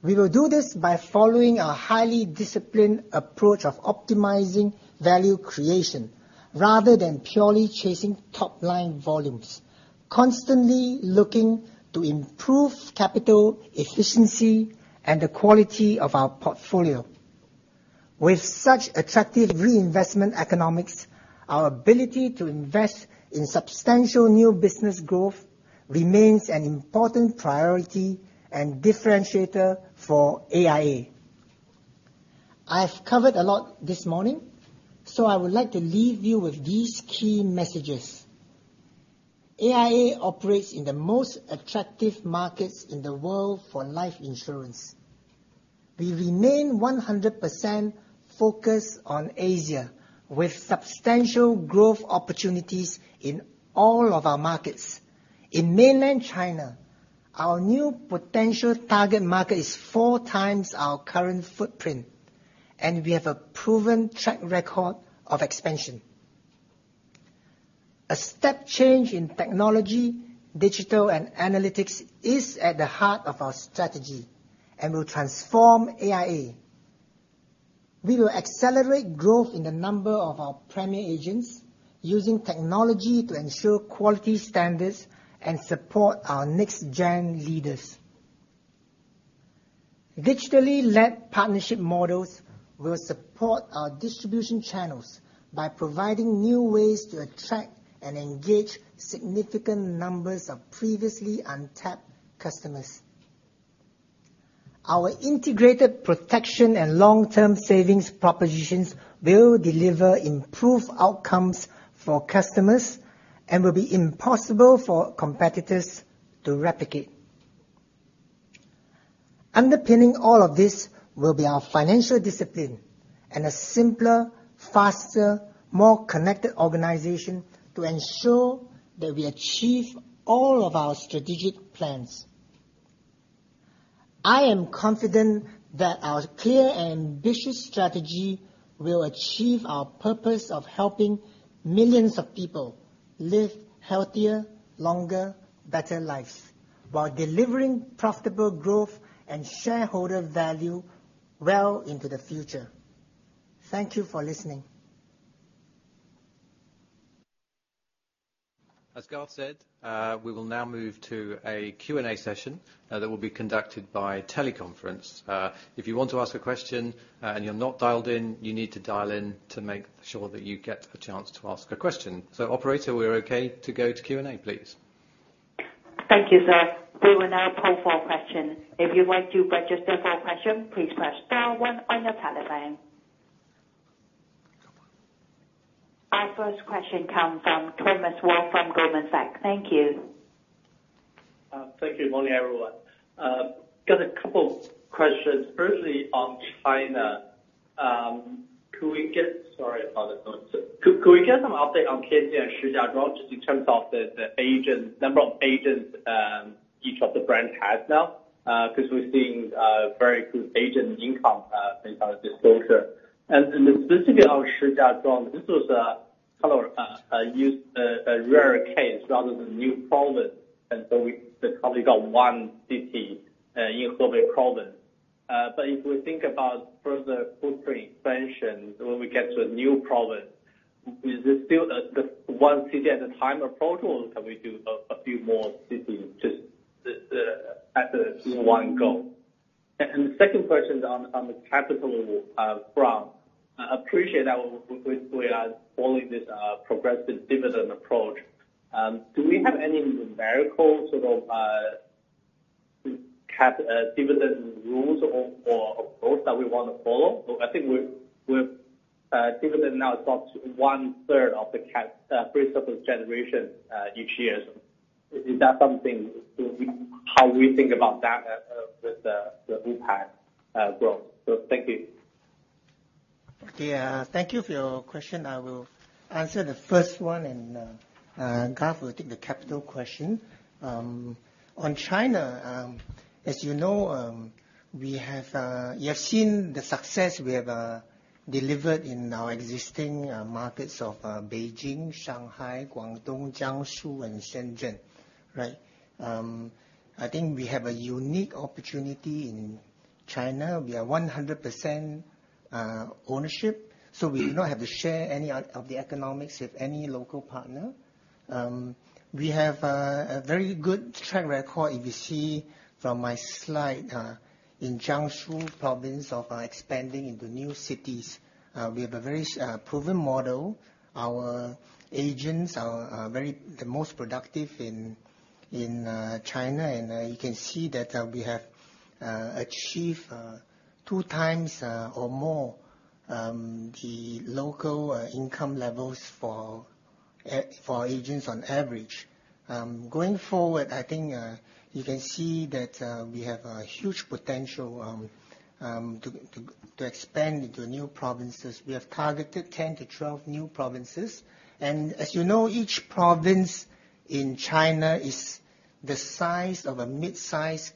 We will do this by following our highly disciplined approach of optimizing value creation rather than purely chasing top-line volumes, constantly looking to improve capital efficiency and the quality of our portfolio. With such attractive reinvestment economics, our ability to invest in substantial new business growth remains an important priority and differentiator for AIA. I've covered a lot this morning, so I would like to leave you with these key messages. AIA operates in the most attractive markets in the world for life insurance. We remain 100% focused on Asia, with substantial growth opportunities in all of our markets. In mainland China, our new potential target market is four times our current footprint, and we have a proven track record of expansion. A step change in Technology, Digital, and Analytics is at the heart of our strategy and will transform AIA. We will accelerate growth in the number of our premier agents using technology to ensure quality standards and support our next-gen leaders. Digitally led partnership models will support our distribution channels by providing new ways to attract and engage significant numbers of previously untapped customers. Our integrated protection and long-term savings propositions will deliver improved outcomes for customers and will be impossible for competitors to replicate. Underpinning all of this will be our financial discipline. A simpler, faster, more connected organization to ensure that we achieve all of our strategic plans. I am confident that our clear and ambitious strategy will achieve our purpose of helping millions of people live healthier, longer, better lives, while delivering profitable growth and shareholder value well into the future. Thank you for listening. As Garth said, we will now move to a Q&A session that will be conducted by teleconference. If you want to ask a question and you're not dialed in, you need to dial in to make sure that you get a chance to ask a question. Operator, we're okay to go to Q&A, please. Thank you, sir. We will now poll for questions. If you'd like to register for a question, please press star one on your telephone. Our first question comes from Thomas Wang from Goldman Sachs. Thank you. Thank you. Morning, everyone. Got a couple questions, firstly on China. Sorry about the noise. Could we get some update on Tianjin and Shijiazhuang just in terms of the number of agents each of the branch has now? We're seeing very good agent income based on disclosure. Specifically on Shijiazhuang, this was a rare case rather than new province, we probably got one city including province. If we think about further footprint expansion when we get to a new province, is this still the one city at a time approach, or can we do a few more cities just as one go? The second question is on the capital front. Appreciate that we are following this progressive dividend approach. Do we have any numerical dividend rules or approach that we want to follow? I think dividend now is about one-third of the free surplus generation each year. How do we think about that with the group as well? Thank you. Okay, thank you for your question. I will answer the first one. Garth will take the capital question. On China, as you know, you have seen the success we have delivered in our existing markets of Beijing, Shanghai, Guangdong, Jiangsu, and Shenzhen. I think we have a unique opportunity in China. We are 100% ownership. We do not have to share any of the economics with any local partner. We have a very good track record, if you see from my slide, in Jiangsu province of expanding into new cities. We have a very proven model. Our agents are the most productive in China. You can see that we have achieved two times or more the local income levels for agents on average. Going forward, I think you can see that we have a huge potential to expand into new provinces. We have targeted 10 to 12 new provinces. As you know, each province in China is the size of a midsize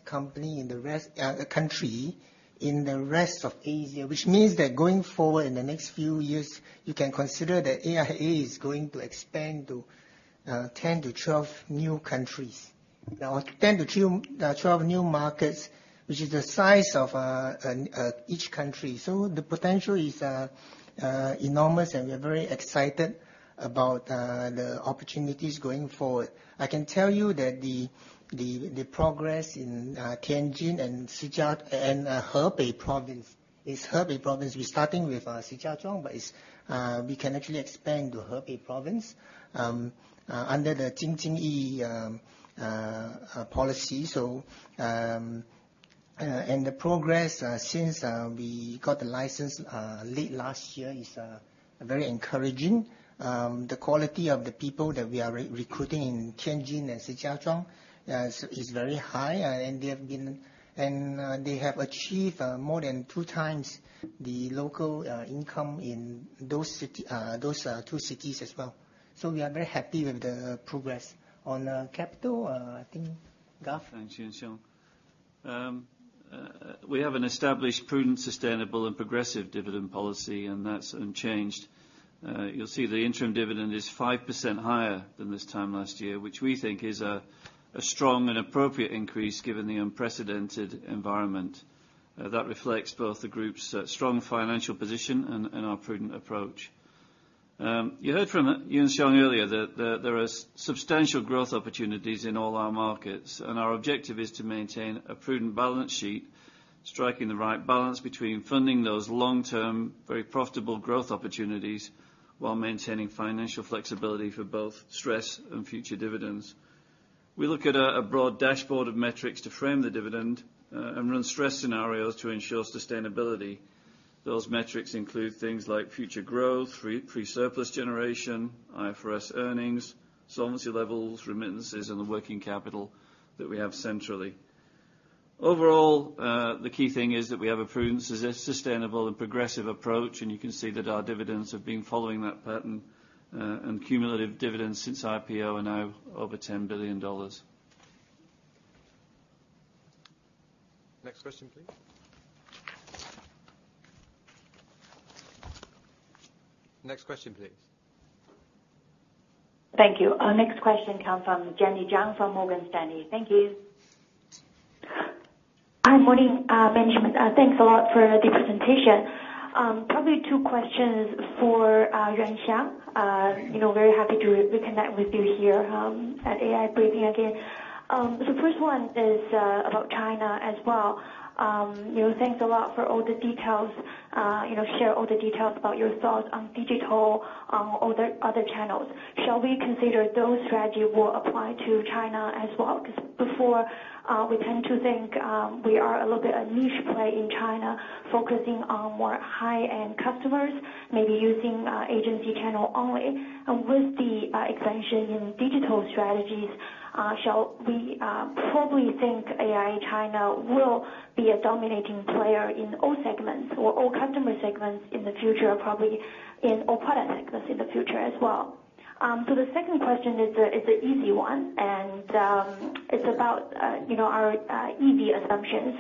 country in the rest of Asia, which means that going forward in the next few years, you can consider that AIA is going to expand to 10 to 12 new markets, which is the size of each country. The potential is enormous, and we are very excited about the opportunities going forward. I can tell you that the progress in Tianjin and Hebei province. It's Hebei province. We're starting with Shijiazhuang, but we can actually expand to Hebei province under the Jing Jin Ji policy. The progress since we got the license late last year is very encouraging. The quality of the people that we are recruiting in Tianjin and Shijiazhuang is very high, and they have achieved more than two times the local income in those two cities as well. We are very happy with the progress. On capital, I think Garth? Thanks, Yuan Siong. We have an established, prudent, sustainable and progressive dividend policy, and that's unchanged. You'll see the interim dividend is 5% higher than this time last year, which we think is a strong and appropriate increase given the unprecedented environment. That reflects both the group's strong financial position and our prudent approach. You heard from Yuan Siong earlier that there are substantial growth opportunities in all our markets. Our objective is to maintain a prudent balance sheet, striking the right balance between funding those long-term, very profitable growth opportunities while maintaining financial flexibility for both stress and future dividends. We look at a broad dashboard of metrics to frame the dividend and run stress scenarios to ensure sustainability. Those metrics include things like future growth, free surplus generation, IFRS earnings, solvency levels, remittances, and the working capital that we have centrally. Overall, the key thing is that we have a prudent, sustainable, and progressive approach, and you can see that our dividends have been following that pattern. Cumulative dividends since IPO are now over $10 billion. Next question, please. Next question, please. Thank you. Our next question comes from Jenny Jiang from Morgan Stanley. Thank you. Hi. Morning. Thanks a lot for the presentation. Probably two questions for Yuan Siong. Very happy to reconnect with you here at AIA briefing again. First one is about China as well. Thanks a lot for all the details. Share all the details about your thoughts on digital, on all the other channels. Shall we consider those strategy will apply to China as well? Before, we tend to think we are a little bit a niche play in China, focusing on more high-end customers, maybe using agency channel only. With the expansion in digital strategies, shall we probably think AIA China will be a dominating player in all segments or all customer segments in the future, probably in all product segments in the future as well? The second question is an easy one, and it's about our EV assumptions.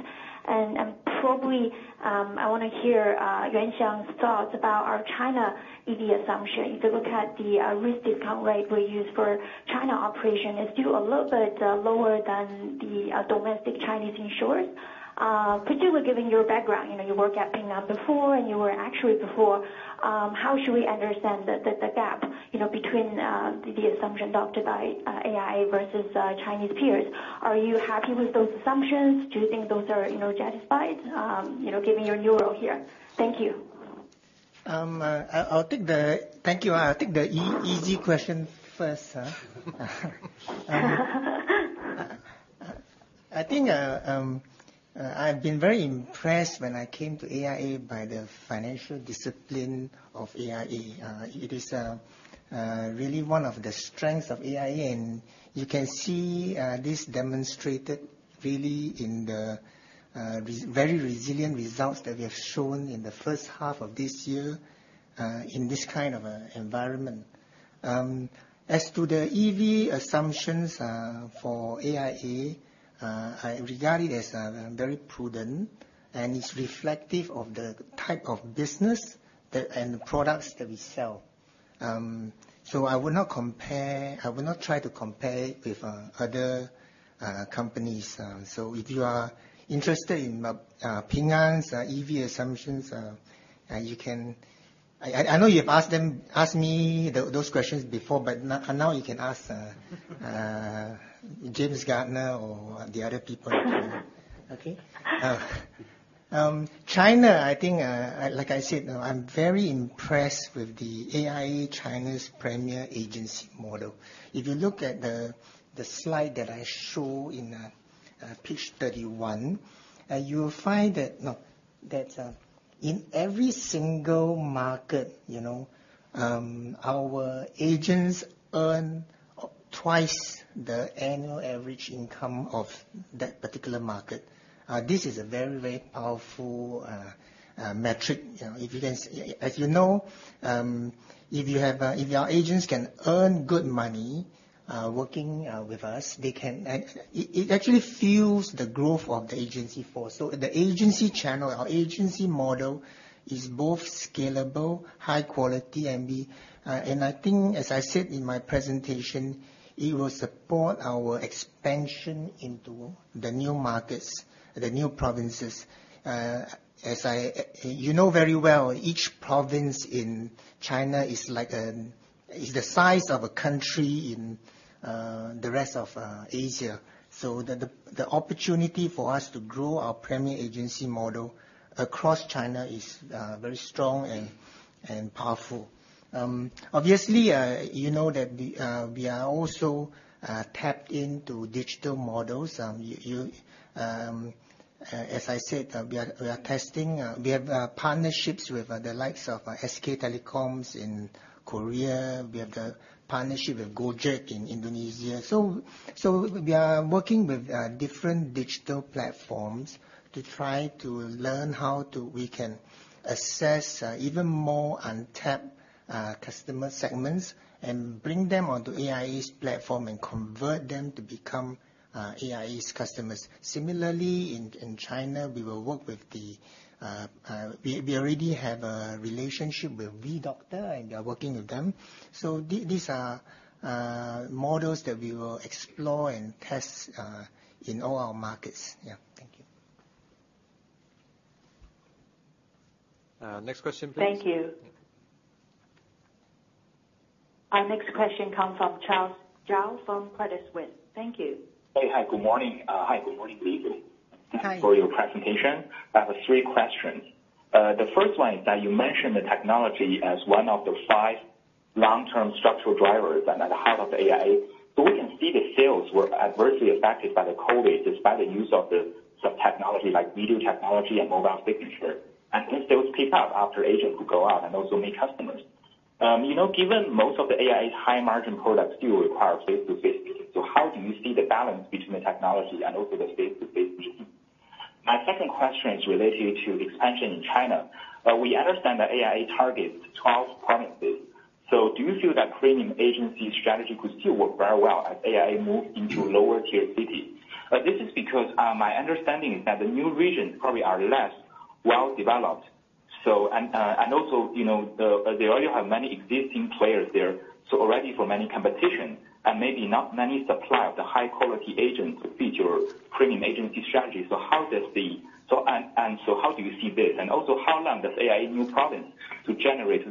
Probably, I want to hear Yuan Siong's thoughts about our China EV assumption. If you look at the risk discount rate we use for China operation, it's still a little bit lower than the domestic Chinese insurers. Particularly given your background, you know, you worked at Ping An before, and you were at Actuaries before, how should we understand the gap between the assumption adopted by AIA versus Chinese peers? Are you happy with those assumptions? Do you think those are justified, given your new role here? Thank you. Thank you. I'll take the easy question first. I think I've been very impressed when I came to AIA by the financial discipline of AIA. It is really one of the strengths of AIA, and you can see this demonstrated really in the very resilient results that we have shown in the first half of this year, in this kind of environment. As to the EV assumptions for AIA, I regard it as very prudent, and it's reflective of the type of business and products that we sell. I will not try to compare it with other companies. If you are interested in Ping An's EV assumptions, I know you've asked me those questions before, but now you can ask Garth Jones or the other people. Okay. China, I think, like I said, I'm very impressed with the AIA China's premier agency model. If you look at the slide that I show in page 31, you will find that in every single market, our agents earn twice the annual average income of that particular market. This is a very, very powerful metric. As you know, if your agents can earn good money working with us, it actually fuels the growth of the agency force. The agency channel, our agency model, is both scalable, high quality, and I think, as I said in my presentation, it will support our expansion into the new markets, the new provinces. You know very well, each province in China is the size of a country in the rest of Asia. The opportunity for us to grow our premier agency model across China is very strong and powerful. Obviously, you know that we are also tapped into digital models. As I said, we are testing, we have partnerships with the likes of SK Telecom in Korea. We have the partnership with Gojek in Indonesia. We are working with different digital platforms to try to learn how we can assess even more untapped customer segments and bring them onto AIA's platform and convert them to become AIA's customers. Similarly, in China, we already have a relationship with WeDoctor and we are working with them. These are models that we will explore and test in all our markets. Yeah. Thank you. Next question, please. Thank you. Our next question comes from Charles Zhou from Credit Suisse. Thank you. Hey. Hi, good morning. Hi, good morning, Lee. Hi. Thanks for your presentation. I have three questions. The first one is you mentioned the technology as one of the five long-term structural drivers and at the heart of AIA. We can see the sales were adversely affected by the COVID-19, despite the use of technology like video technology and mobile signature. If sales pick up after agents could go out and also meet customers. Given most of AIA's high margin products do require face-to-face meeting, how do you see the balance between the technology and also the face-to-face meeting? My second question is related to expansion in China. We understand AIA targets 12 provinces. Do you feel Premier Agency strategy could still work very well as AIA move into lower tier cities? This is because my understanding is the new regions probably are less well-developed. They already have many existing players there, so already for many competition and maybe not many suppliers of the high quality agents to feed your Premier Agency strategy. How do you see this, and also how long does AIA new province to generate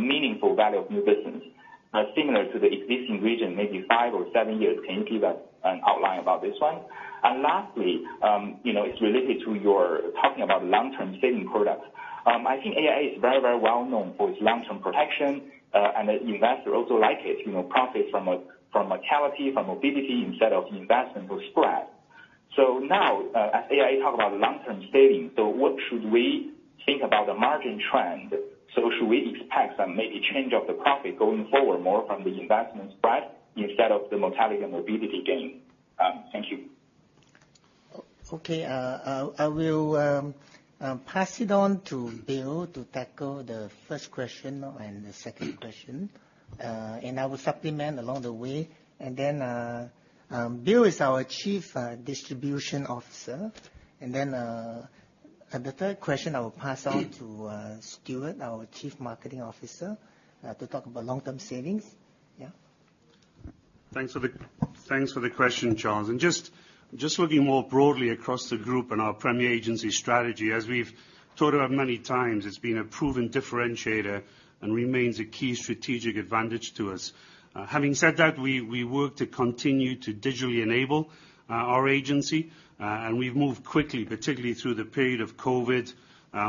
meaningful Value of New Business similar to the existing region, maybe five or seven years? Can you give an outline about this one? It's related to your talking about long-term saving products. I think AIA is very well-known for its long-term protection, and investor also like it, profit from mortality, from morbidity instead of investment spread. Now, as AIA talk about long-term savings, so what should we think about the margin trend? Should we expect some maybe change of the profit going forward more from the investment spread instead of the mortality and morbidity gain? Thank you. Okay. I will pass it on to Bill to tackle the first question and the second question. I will supplement along the way. Bill is our Chief Distribution Officer. The third question I will pass on to Stuart, our Chief Marketing Officer, to talk about long-term savings. Yeah. Thanks for the question, Charles. Just looking more broadly across the group and our premier agency strategy, as we've talked about many times, it's been a proven differentiator and remains a key strategic advantage to us. Having said that, we work to continue to digitally enable our agency, and we've moved quickly, particularly through the period of COVID,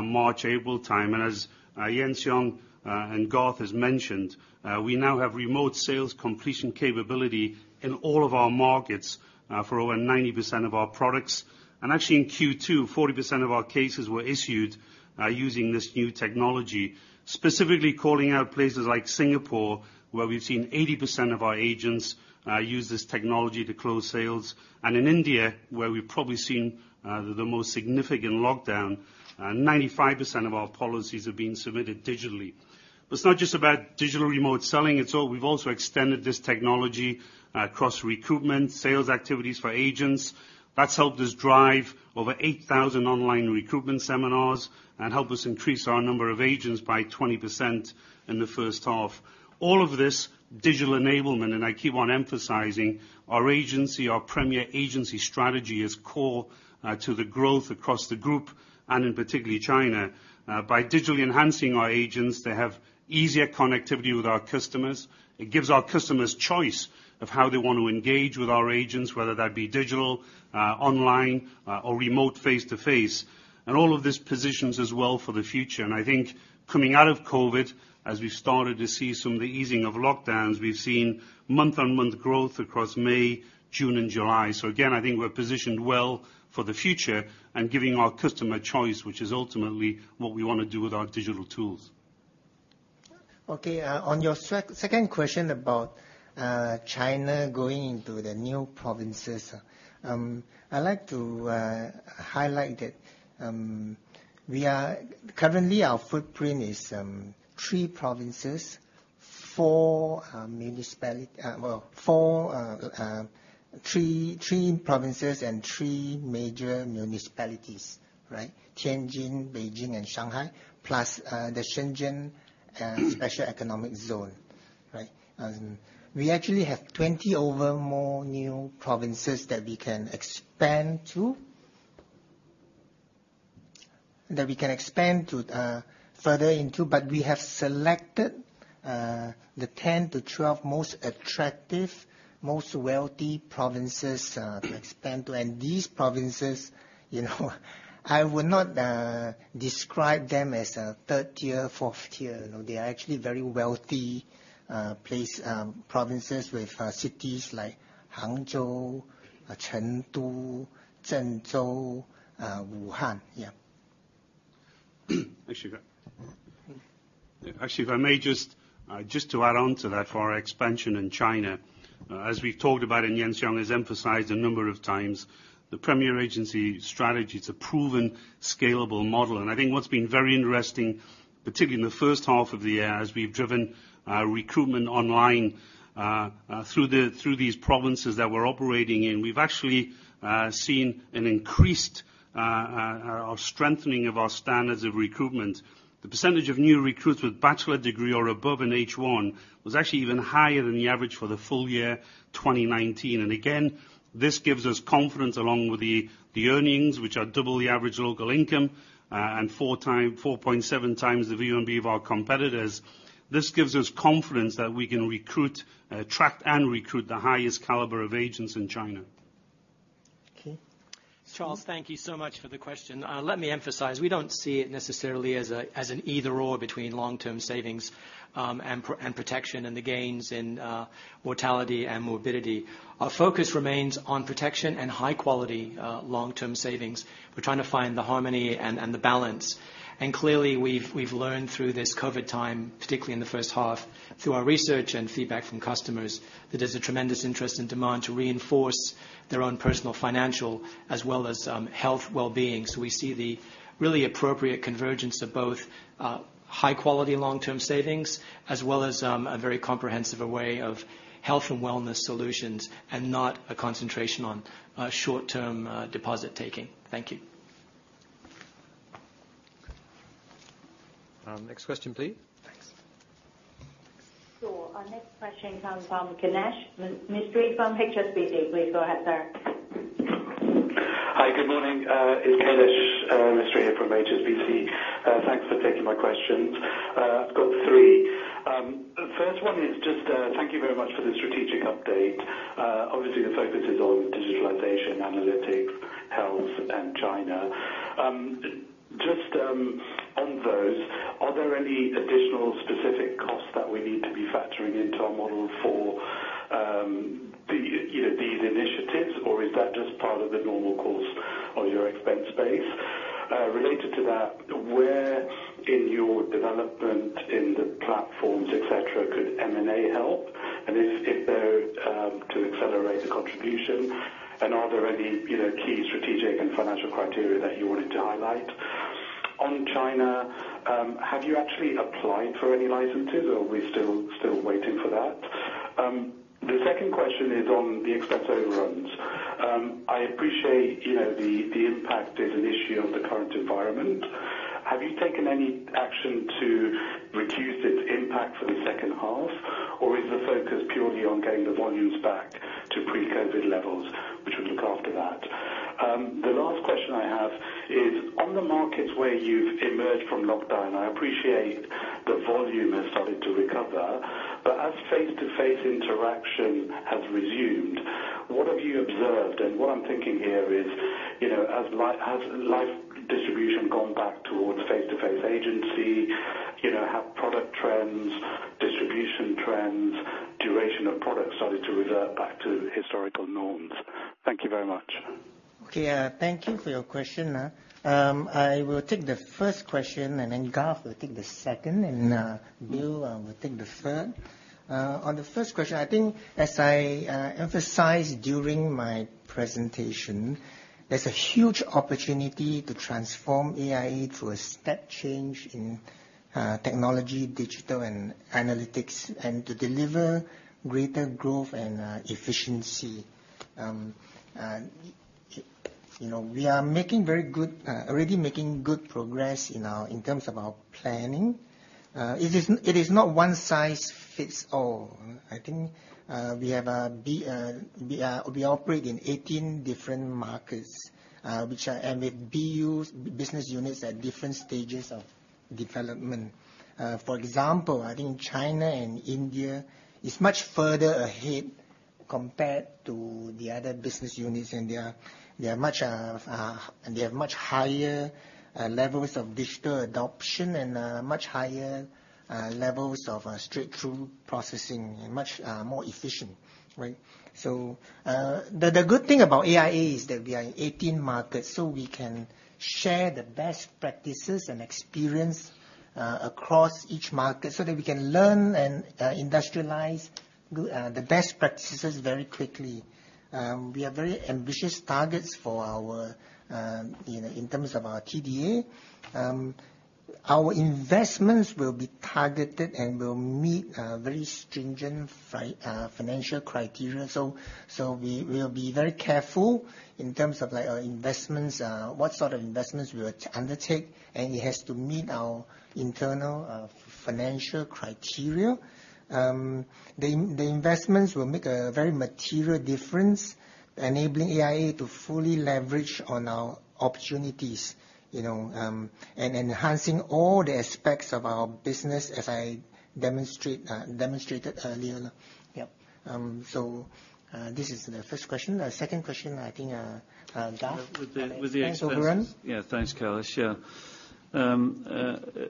March, April time. As Yuan Siong and Garth has mentioned, we now have remote sales completion capability in all of our markets for over 90% of our products. Actually in Q2, 40% of our cases were issued using this new technology. Specifically calling out places like Singapore, where we've seen 80% of our agents use this technology to close sales. And in India, where we've probably seen the most significant lockdown, 95% of our policies have been submitted digitally. It's not just about digital remote selling. We've also extended this technology across recruitment, sales activities for agents. That's helped us drive over 8,000 online recruitment seminars and helped us increase our number of agents by 20% in the first half. All of this digital enablement, I keep on emphasizing, our agency, our premier agency strategy, is core to the growth across the group and particularly China. By digitally enhancing our agents, they have easier connectivity with our customers. It gives our customers choice of how they want to engage with our agents, whether that be digital, online or remote face-to-face. All of this positions us well for the future. I think coming out of COVID-19, as we've started to see some of the easing of lockdowns, we've seen month-on-month growth across May, June and July. Again, I think we're positioned well for the future and giving our customer choice, which is ultimately what we want to do with our digital tools. Okay. On your second question about China going into the new provinces. I'd like to highlight that currently our footprint is three provinces, three major municipalities. Tianjin, Beijing, and Shanghai, plus the Shenzhen Special Economic Zone. We actually have 20 or more new provinces that we can expand to further into, but we have selected the 10 to 12 most attractive, most wealthy provinces to expand to. These provinces, I would not describe them as a tier 3, tier 4. They are actually very wealthy provinces with cities like Hangzhou, Chengdu, Zhengzhou, Wuhan. Yeah. Actually, if I may just to add on to that, for our expansion in China. As we've talked about, Yuan Siong has emphasized a number of times, the premier agency strategy, it's a proven scalable model. I think what's been very interesting, particularly in the first half of the year as we've driven recruitment online through these provinces that we're operating in, we've actually seen an increased or strengthening of our standards of recruitment. The percentage of new recruits with bachelor degree or above in H1 was actually even higher than the average for the full year 2019. Again, this gives us confidence along with the earnings, which are double the average local income, and 4.7 times the VNB of our competitors. This gives us confidence that we can attract and recruit the highest caliber of agents in China. Okay. Charles, thank you so much for the question. Let me emphasize, we don't see it necessarily as an either/or between long-term savings and protection and the gains in mortality and morbidity. Our focus remains on protection and high quality long-term savings. We're trying to find the harmony and the balance. Clearly, we've learned through this COVID-19 time, particularly in the first half, through our research and feedback from customers, that there's a tremendous interest and demand to reinforce their own personal financial, as well as health wellbeing. We see the really appropriate convergence of both high quality long-term savings, as well as a very comprehensive way of health and wellness solutions, and not a concentration on short-term deposit taking. Thank you. Next question, please. Our next question comes from Kailesh Mistry from HSBC. Please go ahead, sir. Hi. Good morning. It's Kailesh Mistry here from HSBC. Thanks for taking my questions. I've got three. The first one is, just thank you very much for the strategic update. Obviously, the focus is on digitalization, analytics, health, and China. Just on those, are there any additional specific costs that we need to be factoring into our model for these initiatives, or is that just part of the normal course of your expense base? Related to that, where in your development in the platforms, et cetera, could M&A help? If they're to accelerate the contribution, Are there any key strategic and financial criteria that you wanted to highlight? On China, have you actually applied for any licenses, or are we still waiting for that? The second question is on the expense overruns. I appreciate the impact is an issue of the current environment. Have you taken any action to reduce its impact for the second half, or is the focus purely on getting the volumes back to pre-COVID-19 levels, which would look after that? The last question I have is, on the markets where you've emerged from lockdown, I appreciate that volume has started to recover. As face-to-face interaction has resumed, what have you observed? What I'm thinking here is, has life distribution gone back towards face-to-face agency? Have product trends, distribution trends, duration of product started to revert back to historical norms? Thank you very much. Thank you for your question. I will take the first question, and then Garth will take the second, and Bill will take the third. On the first question, I think as I emphasized during my presentation, there's a huge opportunity to transform AIA through a step change in technology, digital, and analytics, and to deliver greater growth and efficiency. We are already making good progress in terms of our planning. It is not one size fits all. I think we operate in 18 different markets, and with BUs, business units, at different stages of development. For example, I think China and India is much further ahead compared to the other business units, and they have much higher levels of digital adoption and much higher levels of straight-through processing, and much more efficient, right? The good thing about AIA is that we are in 18 markets, so we can share the best practices and experience across each market so that we can learn and industrialize the best practices very quickly. We have very ambitious targets in terms of our TDA. Our investments will be targeted and will meet very stringent financial criteria. We will be very careful in terms of our investments, what sort of investments we will undertake, and it has to meet our internal financial criteria. The investments will make a very material difference, enabling AIA to fully leverage on our opportunities, and enhancing all the aspects of our business as I demonstrated earlier. Yep. This is the first question. The second question, I think, Garth. With the expense- Expense overrun Yeah, thanks, Kailesh. Yeah.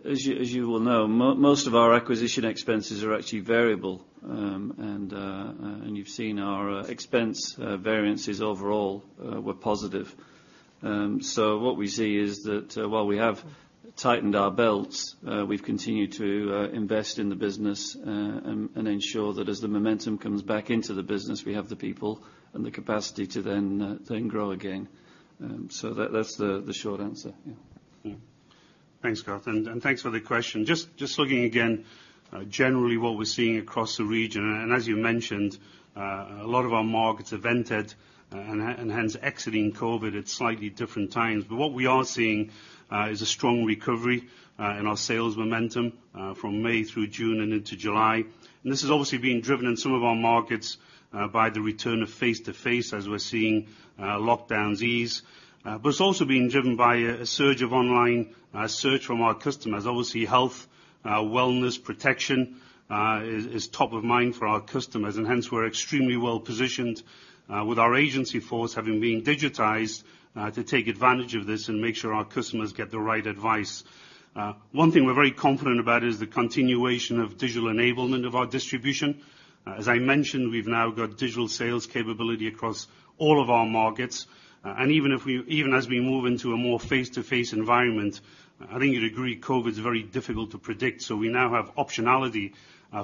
As you well know, most of our acquisition expenses are actually variable. You've seen our expense variances overall were positive. What we see is that while we have tightened our belts, we've continued to invest in the business, and ensure that as the momentum comes back into the business, we have the people and the capacity to then grow again. That's the short answer. Yeah. Thanks, Garth, and thanks for the question. Looking again, generally what we're seeing across the region, and as you mentioned, a lot of our markets have entered, and hence exiting COVID-19 at slightly different times. What we are seeing is a strong recovery in our sales momentum from May through June and into July. This is obviously being driven in some of our markets by the return of face-to-face as we're seeing lockdowns ease. It's also being driven by a surge of online search from our customers. Obviously, health and wellness protection is top of mind for our customers, and hence we're extremely well-positioned with our agency force having been digitized to take advantage of this and make sure our customers get the right advice. One thing we're very confident about is the continuation of digital enablement of our distribution. As I mentioned, we've now got digital sales capability across all of our markets. Even as we move into a more face-to-face environment, I think you'd agree, COVID's very difficult to predict. We now have optionality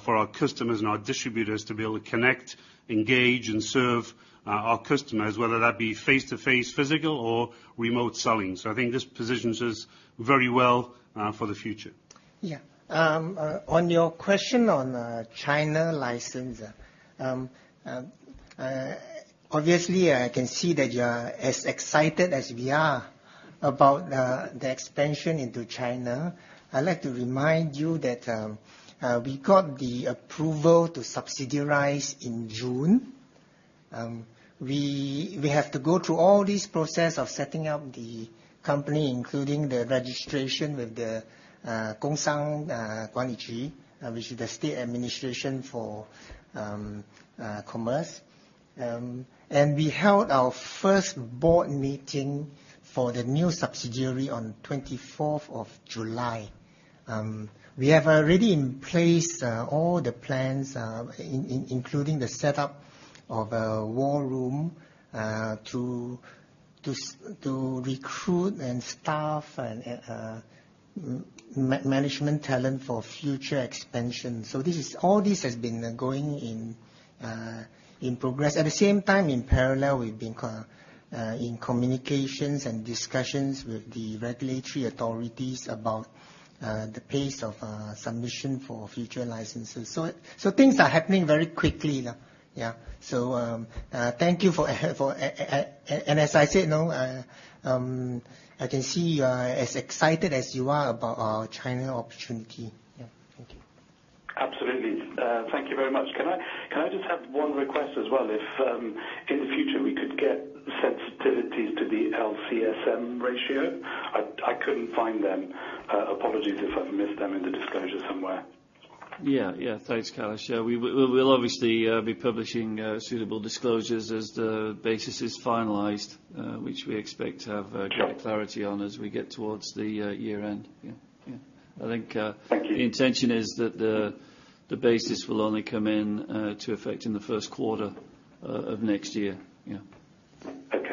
for our customers and our distributors to be able to connect, engage, and serve our customers, whether that be face-to-face, physical, or remote selling. I think this positions us very well for the future. Yeah. On your question on China license. Obviously, I can see that you are as excited as we are about the expansion into China. I'd like to remind you that we got the approval to subsidiarize in June. We have to go through all this process of setting up the company, including the registration with the State Administration for Market Regulation. We held our first board meeting for the new subsidiary on 24th of July. We have already in place all the plans, including the setup of a War Room, to recruit and staff management talent for future expansion. All this has been going in progress. At the same time, in parallel, we've been in communications and discussions with the regulatory authorities about the pace of submission for future licenses. Things are happening very quickly now. Yeah. As I said, I can see you are as excited as you are about our China opportunity. Yeah. Thank you. Absolutely. Thank you very much. Can I just have one request as well if, in the future, we could get sensitivities to the LCSM ratio? I couldn't find them. Apologies if I've missed them in the disclosure somewhere. Yeah. Thanks, Kailesh. We will obviously be publishing suitable disclosures as the basis is finalized, which we expect to have great clarity on as we get towards the year-end. Thank you. I think the intention is that the basis will only come into effect in the first quarter of next year. Yeah. Okay.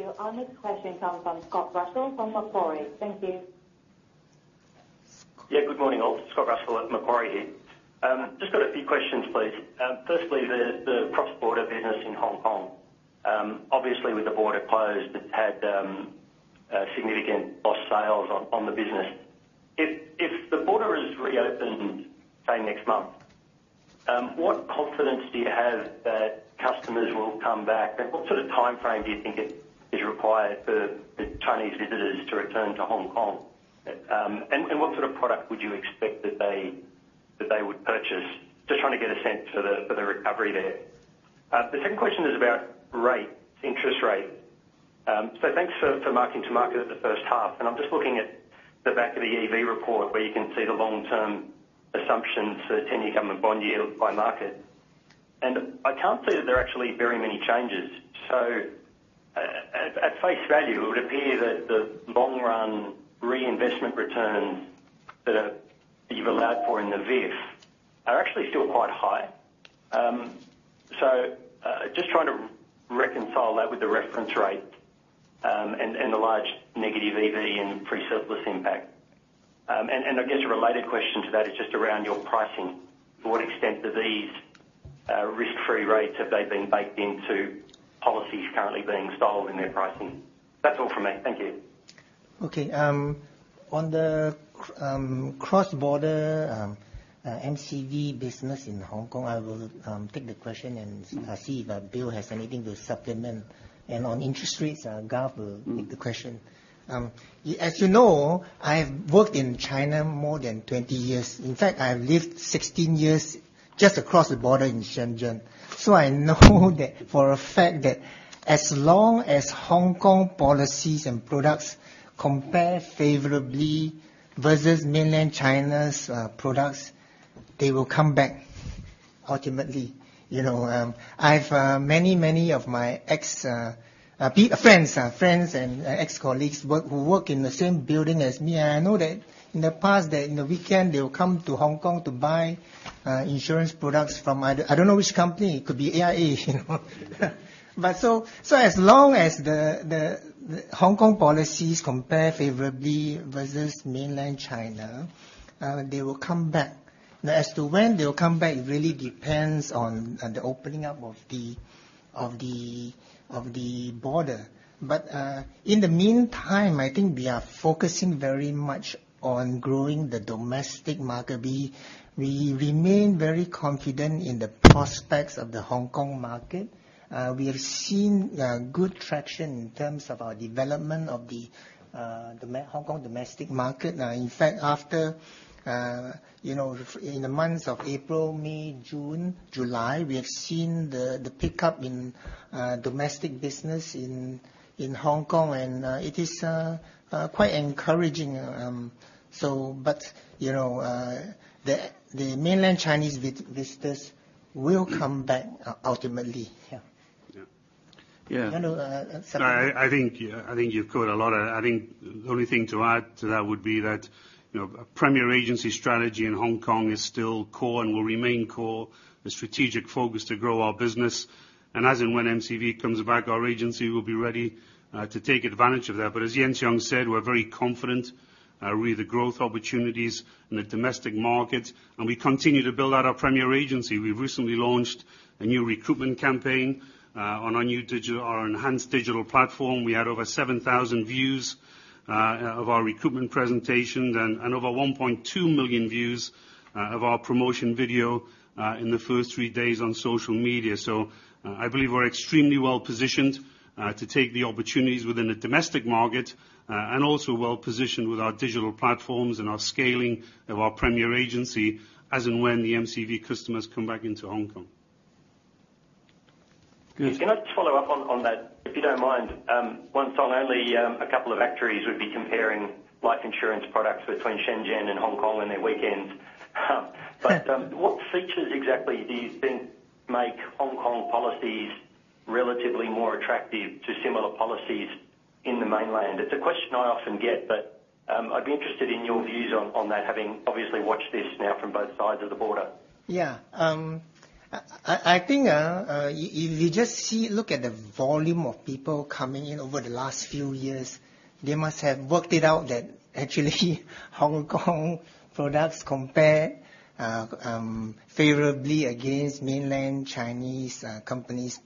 Thank you. Thank you. Our next question comes from Scott Russell from Macquarie. Thank you. Yeah. Good morning, all. Scott Russell at Macquarie here. Just got a few questions, please. Firstly, the cross-border business in Hong Kong. Obviously, with the border closed, it's had significant lost sales on the business. If the border is reopened, say next month, what confidence do you have that customers will come back? What sort of timeframe do you think is required for the Chinese visitors to return to Hong Kong? What sort of product would you expect that they would purchase? Just trying to get a sense for the recovery there. The second question is about rates, interest rates. Thanks for marking to market the first half, and I'm just looking at the back of the EV report where you can see the long-term assumptions for 10-year government bond yield by market. I can't see that there are actually very many changes. At face value, it would appear that the long-run reinvestment returns that you've allowed for in the VIF are actually still quite high. Just trying to reconcile that with the reference rate, and the large negative EV and pre-surplus impact. I guess a related question to that is just around your pricing. To what extent do these risk-free rates, have they been baked into policies currently being sold in their pricing? That's all from me. Thank you. Okay. On the cross-border MCV business in Hong Kong, I will take the question, and I'll see if Bill has anything to supplement. On interest rates, Garth will take the question. As you know, I've worked in China more than 20 years. In fact, I've lived 16 years just across the border in Shenzhen. I know that for a fact that as long as Hong Kong policies and products compare favorably versus mainland China's products, they will come back ultimately. I have many of my friends and ex-colleagues who work in the same building as me, and I know that in the past that in the weekend they'll come to Hong Kong to buy insurance products from, I don't know which company. It could be AIA. As long as the Hong Kong policies compare favorably versus mainland China, they will come back. Now, as to when they'll come back, it really depends on the opening up of the border. In the meantime, I think we are focusing very much on growing the domestic market. We remain very confident in the prospects of the Hong Kong market. We have seen good traction in terms of our development of the Hong Kong domestic market. In fact, in the months of April, May, June, July, we have seen the pickup in domestic business in Hong Kong, and it is quite encouraging. The mainland Chinese visitors will come back ultimately. Yeah. Yeah. I know. I think you've covered a lot. I think the only thing to add to that would be that Premier Agency strategy in Hong Kong is still core and will remain core. The strategic focus to grow our business. As in when MCV comes back, our agency will be ready to take advantage of that. As Yuan Siong said, we're very confident with the growth opportunities in the domestic market, and we continue to build out our Premier Agency. We recently launched a new recruitment campaign on our enhanced digital platform. We had over 7,000 views of our recruitment presentation and over 1.2 million views of our promotion video in the first three days on social media. I believe we're extremely well-positioned to take the opportunities within the domestic market, and also well-positioned with our digital platforms and our scaling of our Premier Agency, as and when the MCV customers come back into Hong Kong. Good. Can I just follow up on that, if you don't mind? Yuan Siong only a couple of actuaries would be comparing life insurance products between Shenzhen and Hong Kong in their weekends. Yeah. What features exactly do you think make Hong Kong policies relatively more attractive to similar policies in the Mainland? It's a question I often get, but I'd be interested in your views on that, having obviously watched this now from both sides of the border. Yeah. I think if you just look at the volume of people coming in over the last few years, they must have worked it out that actually Hong Kong products compare favorably against mainland Chinese companies'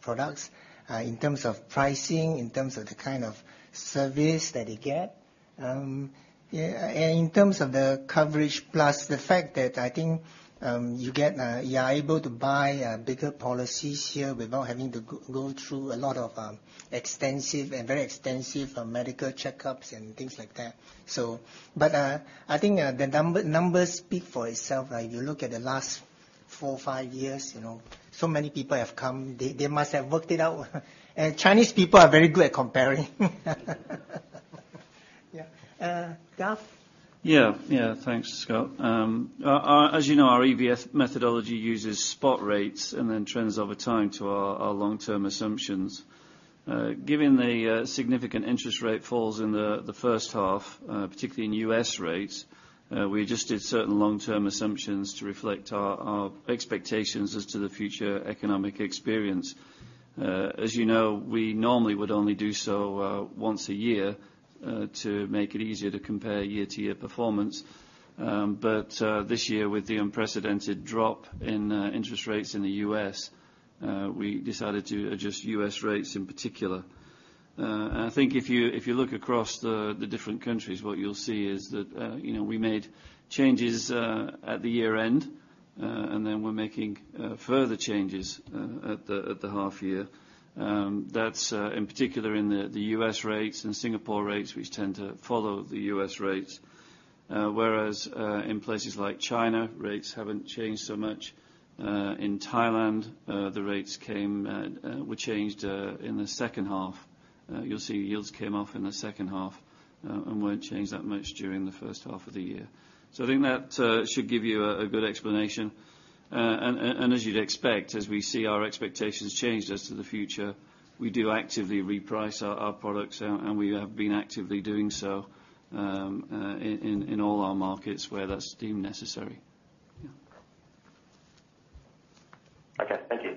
products, in terms of pricing, in terms of the kind of service that they get. Yeah. In terms of the coverage, plus the fact that I think you are able to buy bigger policies here without having to go through a lot of extensive and very extensive medical checkups and things like that. I think the numbers speak for itself. You look at the last four or five years, so many people have come. They must have worked it out. Chinese people are very good at comparing. Yeah. Garth? Thanks, Scott. As you know, our EV methodology uses spot rates and then trends over time to our long-term assumptions. Given the significant interest rate falls in the first half, particularly in U.S. rates, we adjusted certain long-term assumptions to reflect our expectations as to the future economic experience. As you know, we normally would only do so once a year, to make it easier to compare year-to-year performance. This year, with the unprecedented drop in interest rates in the U.S., we decided to adjust U.S. rates in particular. I think if you look across the different countries, what you'll see is that we made changes at the year-end, then we're making further changes at the half year. That's in particular in the U.S. rates and Singapore rates, which tend to follow the U.S. rates. Whereas in places like China, rates haven't changed so much. In Thailand, the rates were changed in the second half. You'll see yields came off in the second half and won't change that much during the first half of the year. I think that should give you a good explanation. As you'd expect, as we see our expectations change as to the future, we do actively reprice our products, and we have been actively doing so in all our markets where that's deemed necessary. Yeah. Okay, thank you.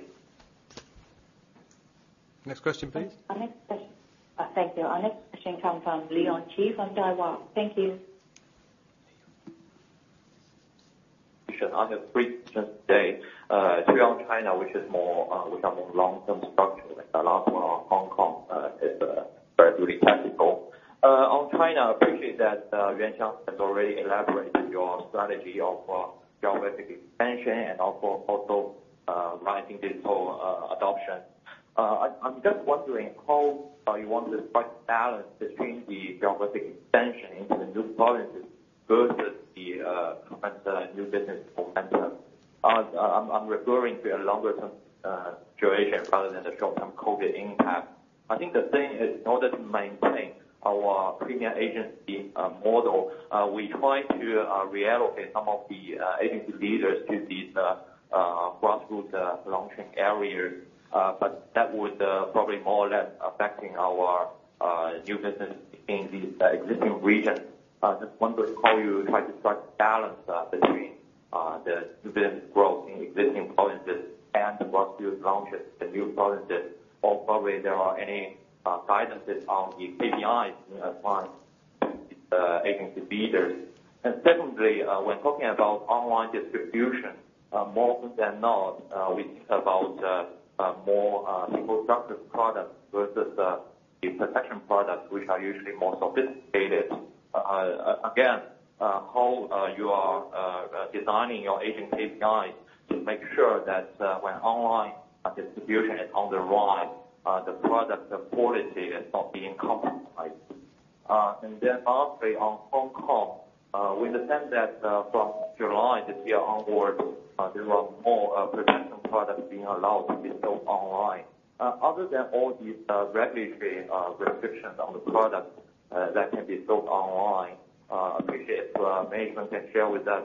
Next question, please. Thank you. Our next question comes from Leon Qi from Daiwa. Thank you. Sure. On a recent day, two on China, which are more long-term structures, and the last one on Hong Kong is very technical. On China, appreciate that Yuan Siong has already elaborated your strategy of geographic expansion and also rising digital adoption. I'm just wondering how you want to strike a balance between the geographic expansion into the new provinces versus the current new business momentum. I'm referring to a longer term duration rather than a short-term COVID-19 impact. I think the thing is, in order to maintain our Premier Agency model, we try to reallocate some of the agency leaders to these grassroots launching areas. That would probably more or less affecting our new business in these existing regions. Just wonder how you try to strike a balance between the business growth in existing provinces and what you've launched in the new provinces, or probably there are any guidances on the KPIs you apply agency leaders. Secondly, when talking about online distribution, more often than not, we think about more simple products versus the protection products, which are usually more sophisticated. Again, how you are designing your agent KPIs to make sure that when online distribution is on the rise, the product quality is not being compromised. Lastly, on Hong Kong, with the sense that from July this year onward, there were more protection products being allowed to be sold online. Other than all these regulatory restrictions on the products that can be sold online, appreciate if management can share with us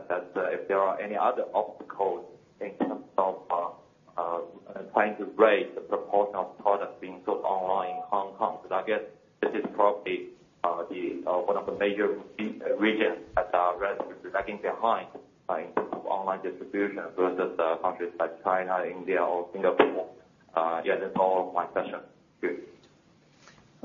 if there are any other obstacles in terms of trying to raise the proportion of products being sold online in Hong Kong. I guess this is probably one of the major regions that are lagging behind in terms of online distribution versus countries like China, India, or Singapore. Yeah, that is all my questions. Thank you.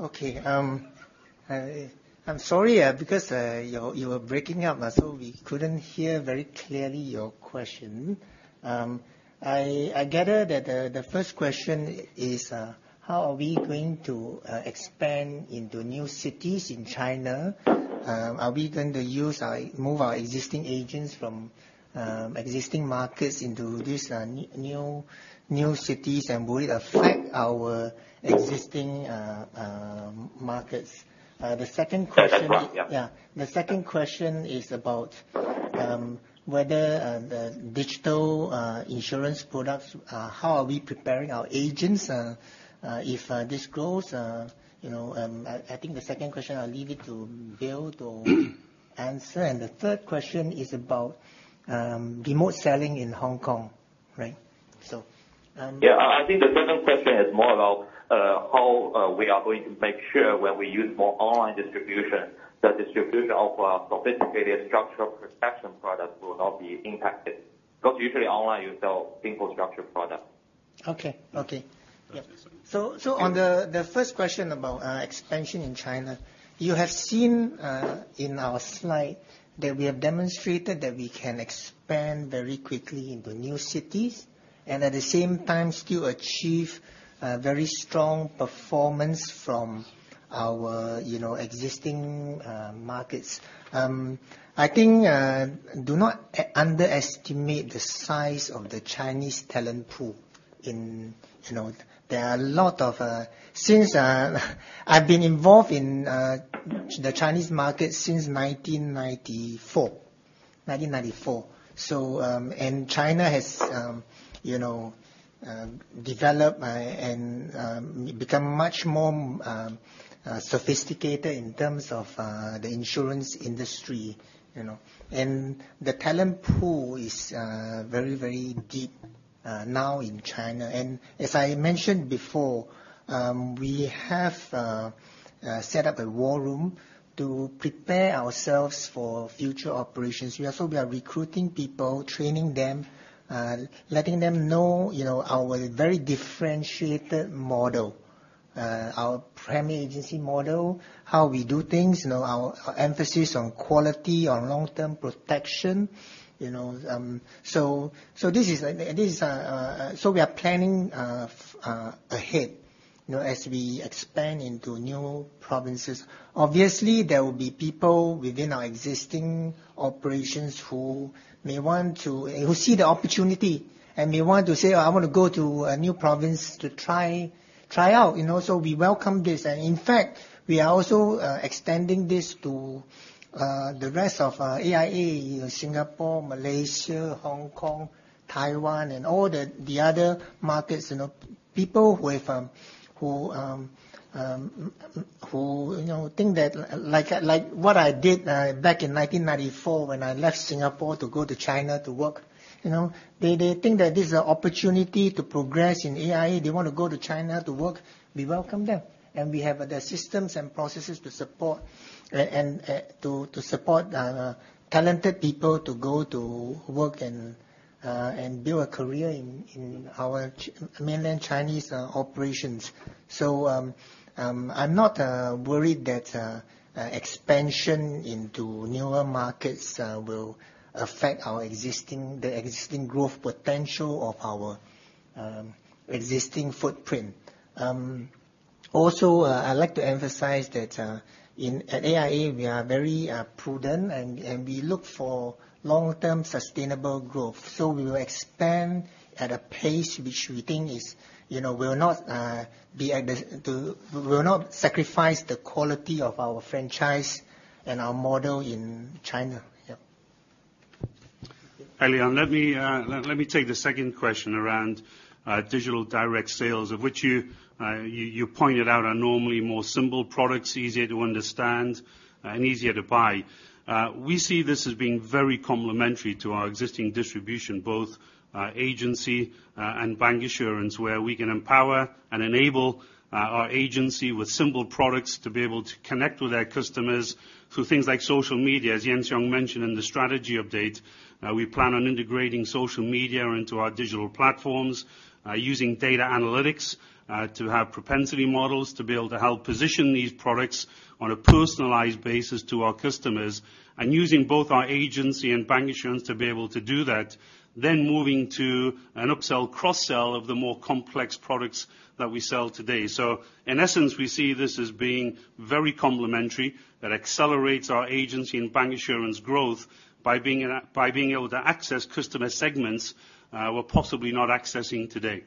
Okay. I'm sorry because you were breaking up, so we couldn't hear very clearly your question. I gather that the first question is how are we going to expand into new cities in China? Are we going to move our existing agents from existing markets into these new cities, and will it affect our existing markets? The second question. Yeah. Yeah. The second question is about whether the digital insurance products, how are we preparing our agents if this grows. I think the second question, I will leave it to Bill to answer. The third question is about remote selling in Hong Kong, right? I think the second question is more about how we are going to make sure when we use more online distribution, the distribution of sophisticated structural protection products will not be impacted. Usually online, you sell simple structure products. Okay. On the first question about expansion in China, you have seen in our slide that we have demonstrated that we can expand very quickly into new cities, and at the same time, still achieve very strong performance from our existing markets. I think do not underestimate the size of the Chinese talent pool. I've been involved in the Chinese market since 1994. China has developed and become much more sophisticated in terms of the insurance industry. The talent pool is very deep now in China. As I mentioned before, we have set up a War Room to prepare ourselves for future operations. We are recruiting people, training them, letting them know our very differentiated model. Our premier agency model, how we do things, our emphasis on quality, on long-term protection. We are planning ahead as we expand into new provinces. Obviously, there will be people within our existing operations who see the opportunity and may want to say, "I want to go to a new province to try out." We welcome this. In fact, we are also extending this to the rest of AIA, Singapore, Malaysia, Hong Kong, Taiwan, and all the other markets. People who think that, like what I did back in 1994 when I left Singapore to go to China to work. They think that this is an opportunity to progress in AIA. They want to go to China to work, we welcome them. We have the systems and processes to support talented people to go to work and build a career in our mainland Chinese operations. I'm not worried that expansion into newer markets will affect the existing growth potential of our existing footprint. Also, I'd like to emphasize that at AIA, we are very prudent, and we look for long-term sustainable growth. We will expand at a pace which we think will not sacrifice the quality of our franchise and our model in China. Leon, let me take the second question around digital direct sales, of which you pointed out are normally more simple products, easier to understand, and easier to buy. We see this as being very complementary to our existing distribution, both agency and bancassurance, where we can empower and enable our agency with simple products to be able to connect with their customers through things like social media. As Yuan Siong mentioned in the strategy update, we plan on integrating social media into our digital platforms, using data analytics to have propensity models to be able to help position these products on a personalized basis to our customers. Using both our agency and bancassurance to be able to do that, then moving to an upsell cross-sell of the more complex products that we sell today. In essence, we see this as being very complementary, that accelerates our agency and bancassurance growth by being able to access customer segments we're possibly not accessing today.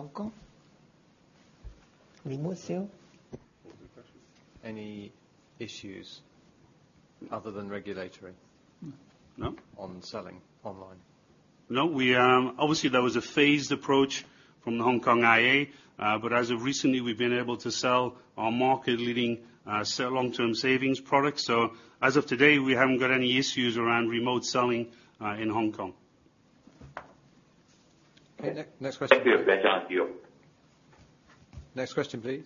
Hong Kong? Hong Kong. Remote sale? Any issues other than regulatory? No. On selling online? Obviously, there was a phased approach from the Hong Kong IA. As of recently, we've been able to sell our market-leading long-term savings product. As of today, we haven't got any issues around remote selling in Hong Kong. Okay, next question. Thank you. Thank you. Next question, please.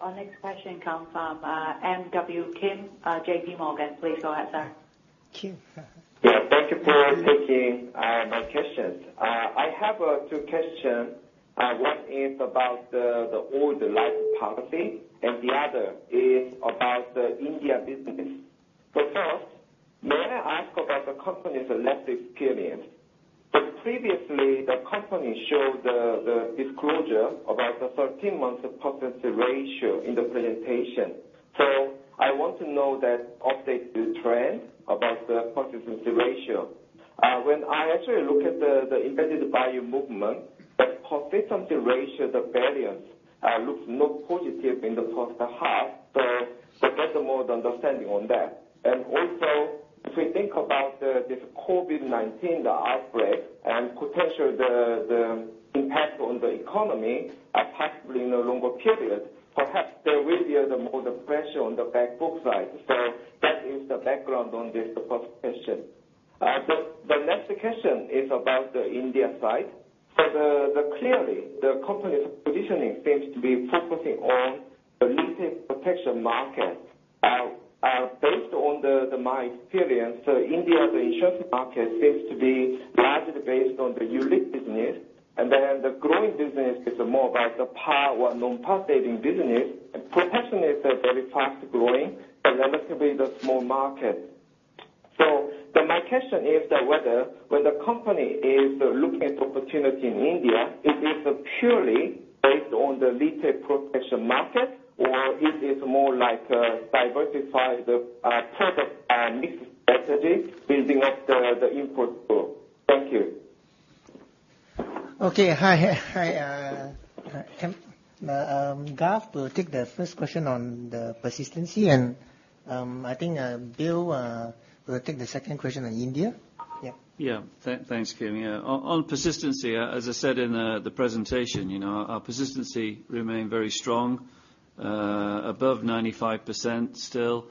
Our next question comes from MW Kim, JPMorgan. Please go ahead, sir. Kim. Thank you for taking my questions. I have two questions. One is about the old life policy, and the other is about the India business. First, may I ask about the company's lapse experience? Previously, the company showed the disclosure about the 13 months of persistency ratio in the presentation. I want to know that update the trend about the persistency ratio. When I actually look at the Embedded Value movement, that persistency ratio, the variance, looks not positive in the first half. I get more understanding on that. Also, if we think about this COVID-19, the outbreak, and potential the impact on the economy, possibly in a longer period, perhaps there will be more pressure on the back book side. That is the background on this first question. The next question is about the India side. Clearly, the company's positioning seems to be focusing on the retail protection market. Based on my experience, India, the insurance market seems to be largely based on the ULIP business. The growing business is more about the par or non-participating business, and potentially is very fast growing, but relatively the small market. My question is that whether the company is looking at opportunity in India, it is purely based on the retail protection market, or it is more like a diversify the product mix strategy building up the in-force book. Thank you. Okay. Hi. Garth will take the first question on the persistency, and I think Bill will take the second question on India. Yeah. Thanks, Kim. On persistency, as I said in the presentation, our persistency remained very strong, above 95% still.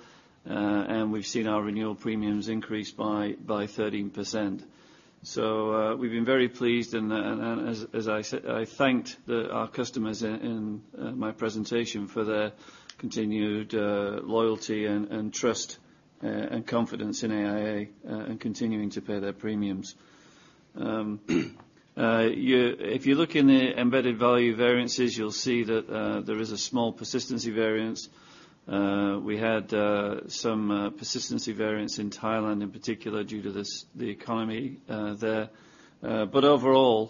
We've seen our renewal premiums increase by 13%. We've been very pleased. I thanked our customers in my presentation for their continued loyalty and trust and confidence in AIA, and continuing to pay their premiums. If you look in the embedded value variances, you'll see that there is a small persistency variance. We had some persistency variance in Thailand in particular due to the economy there. Overall,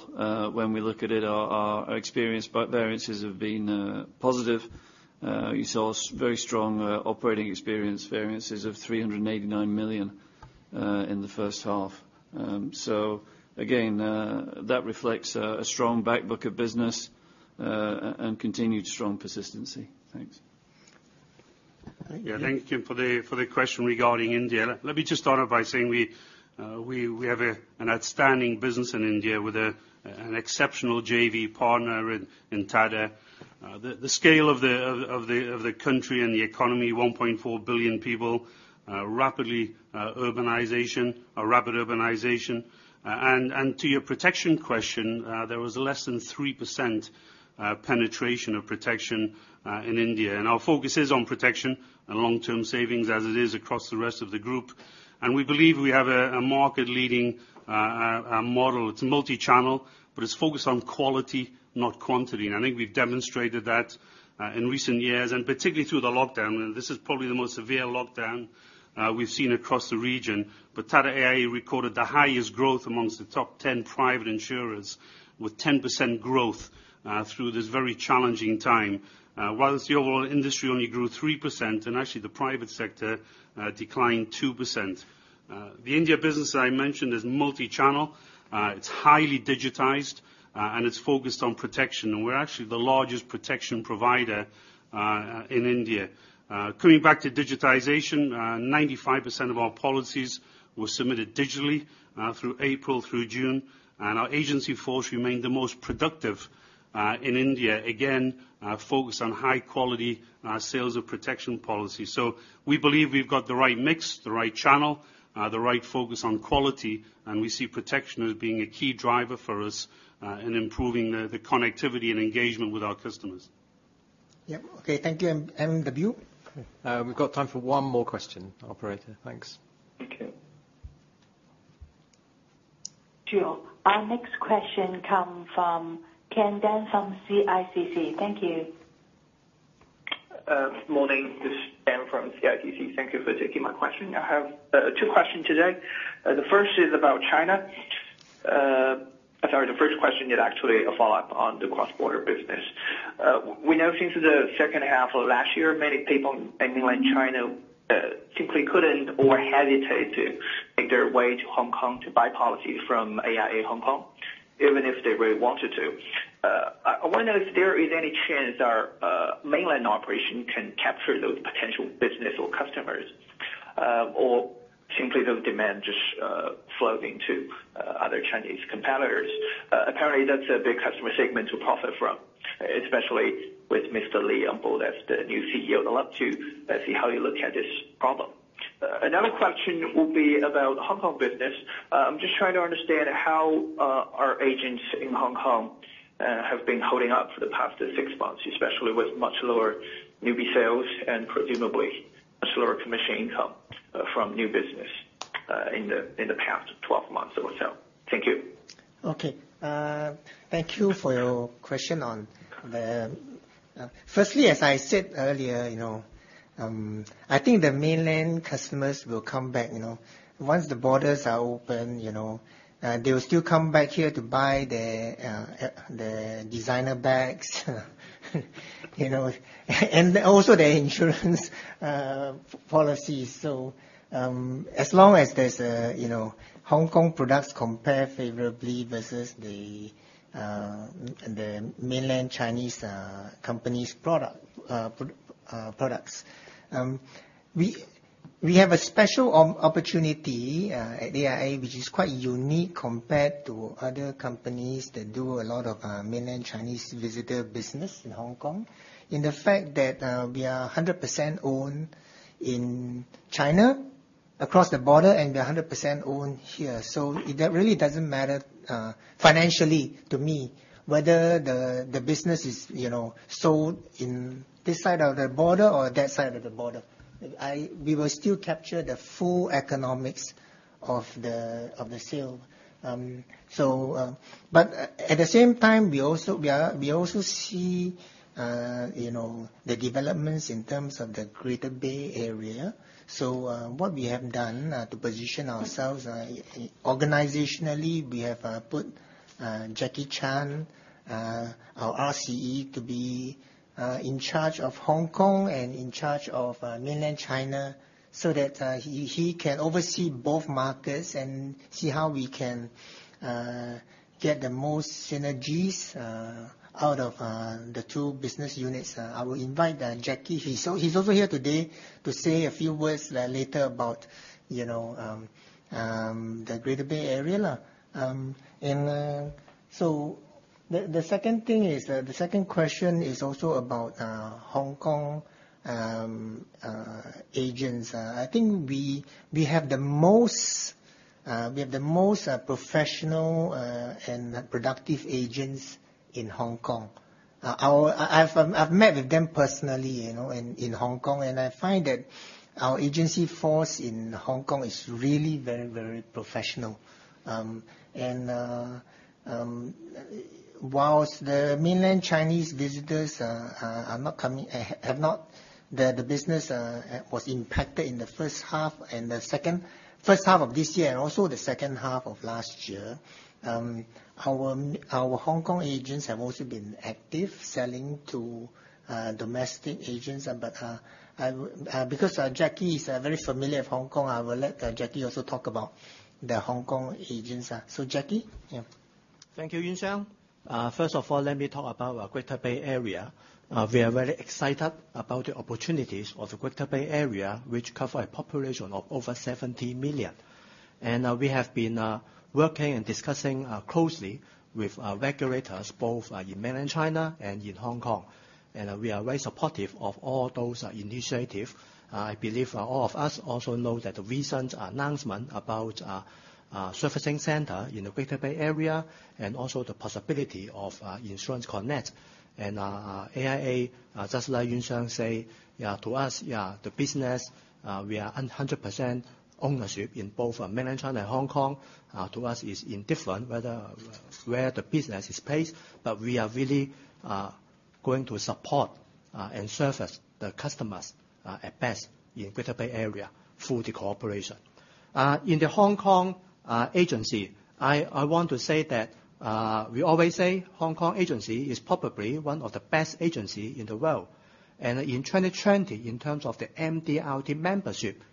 when we look at it, our experience variances have been positive. You saw very strong operating experience variances of $389 million in the first half. Again, that reflects a strong back book of business, and continued strong persistency. Thanks. All right. Yeah. Thank you for the question regarding India. Let me just start off by saying we have an outstanding business in India with an exceptional JV partner in Tata. The scale of the country and the economy, 1.4 billion people, rapid urbanization. To your protection question, there was less than 3% penetration of protection in India. Our focus is on protection and long-term savings as it is across the rest of the Group. We believe we have a market leading model. It's multi-channel, but it's focused on quality, not quantity. I think we've demonstrated that in recent years, and particularly through the lockdown. This is probably the most severe lockdown we've seen across the region. Tata AIA recorded the highest growth amongst the top 10 private insurers with 10% growth through this very challenging time, whilst the overall industry only grew 3%, and actually the private sector declined 2%. The India business that I mentioned is multi-channel. It's highly digitized, and it's focused on protection. We're actually the largest protection provider in India. Coming back to digitization, 95% of our policies were submitted digitally through April through June. Our agency force remained the most productive in India. Again, focused on high quality sales of protection policy. We believe we've got the right mix, the right channel, the right focus on quality, and we see protection as being a key driver for us in improving the connectivity and engagement with our customers. Yep. Okay. Thank you, MW. We've got time for one more question, operator. Thanks. Okay. Sure. Our next question come from Ken Den from CICC. Thank you. Morning. This is Ken from CICC. Thank you for taking my question. I have two questions today. The first is about China. Sorry, the first question is actually a follow-up on the cross-border business. We know since the second half of last year, many people in mainland China simply couldn't or hesitate to make their way to Hong Kong to buy policy from AIA Hong Kong, even if they really wanted to. I wonder if there is any chance our mainland operation can capture those potential business or customers, or simply those demand just flowing to other Chinese competitors. Apparently, that's a big customer segment to profit from, especially with Mr. Lee on board as the new CEO. I'd love to see how you're looking at this problem. Another question will be about Hong Kong business. I'm just trying to understand how our agents in Hong Kong have been holding up for the past six months, especially with much lower newbie sales and presumably much lower commission income from new business in the past 12 months or so. Thank you. Okay. Thank you for your question. Firstly, as I said earlier, I think the mainland customers will come back. Once the borders are open, they will still come back here to buy their designer bags and also their insurance policies, as long as Hong Kong products compare favorably versus the mainland Chinese companies' products. We have a special opportunity at AIA, which is quite unique compared to other companies that do a lot of mainland Chinese visitor business in Hong Kong, in the fact that we are 100% owned in China, across the border, and we are 100% owned here. It really doesn't matter financially to me whether the business is sold in this side of the border or that side of the border. We will still capture the full economics of the sale. We also see the developments in terms of the Greater Bay Area. What we have done to position ourselves organizationally, we have put Jacky Chan, our RCE, to be in charge of Hong Kong and in charge of mainland China, so that he can oversee both markets and see how we can get the most synergies out of the two business units. I will invite Jacky. He's also here today to say a few words later about the Greater Bay Area. The second question is also about Hong Kong agents. I think we have the most professional and productive agents in Hong Kong. I've met with them personally in Hong Kong, and I find that our agency force in Hong Kong is really very professional. Whilst the mainland Chinese visitors have not The business was impacted in the first half of this year and also the second half of last year. Our Hong Kong agents have also been active selling to domestic agents. Because Jacky is very familiar with Hong Kong, I will let Jacky also talk about the Hong Kong agents. Jacky? Yeah. Thank you, Yuan Siong. First of all, let me talk about Greater Bay Area. We are very excited about the opportunities of the Greater Bay Area, which cover a population of over 70 million. We have been working and discussing closely with regulators both in mainland China and in Hong Kong. We are very supportive of all those initiative. I believe all of us also know that the recent announcement about servicing center in the Greater Bay Area and also the possibility of Insurance Connect. AIA, just like Yuan Siong say, to us, the business, we are 100% ownership in both mainland China and Hong Kong. To us, it's indifferent where the business is placed, but we are really going to support and service the customers at best in Greater Bay Area through the corporation. In the Hong Kong agency, I want to say that we always say Hong Kong agency is probably one of the best agency in the world. In 2020, in terms of the MDRT membership,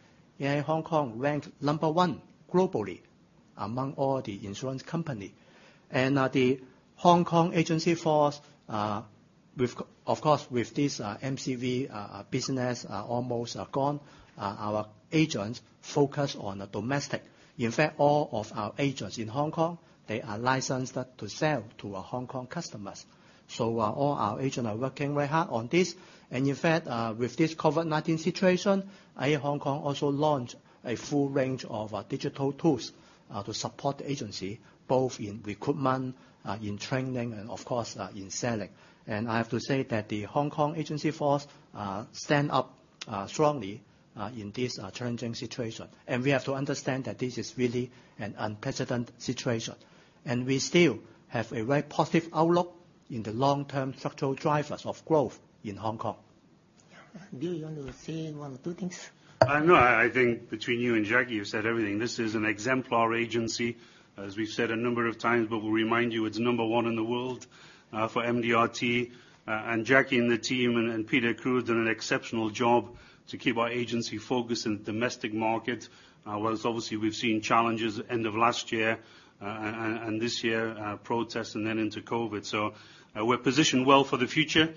AIA Hong Kong ranked number one globally among all the insurance company. The Hong Kong agency force, of course, with this MCV business almost gone, our agents focus on domestic. In fact, all of our agents in Hong Kong, they are licensed to sell to our Hong Kong customers. All our agent are working very hard on this. In fact, with this COVID-19 situation, AIA Hong Kong also launched a full range of digital tools to support the agency, both in recruitment, in training, and of course, in selling. I have to say that the Hong Kong agency force stand up strongly in this challenging situation. We have to understand that this is really an unprecedented situation. We still have a very positive outlook in the long-term structural drivers of growth in Hong Kong. Yeah. Bill, you want to say one or two things? No, I think between you and Jacky, you've said everything. This is an exemplar agency, as we've said a number of times, but we'll remind you it's number one in the world for MDRT. Jacky and the team and Peter Crewe did an exceptional job to keep our agency focused in the domestic market. Whereas obviously we've seen challenges end of last year and this year, protests and then into COVID. We're positioned well for the future.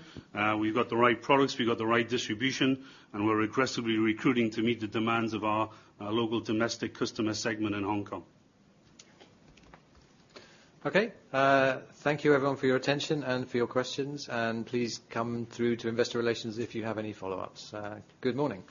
We've got the right products, we've got the right distribution, and we're aggressively recruiting to meet the demands of our local domestic customer segment in Hong Kong. Okay. Thank you everyone for your attention and for your questions, and please come through to investor relations if you have any follow-ups. Good morning.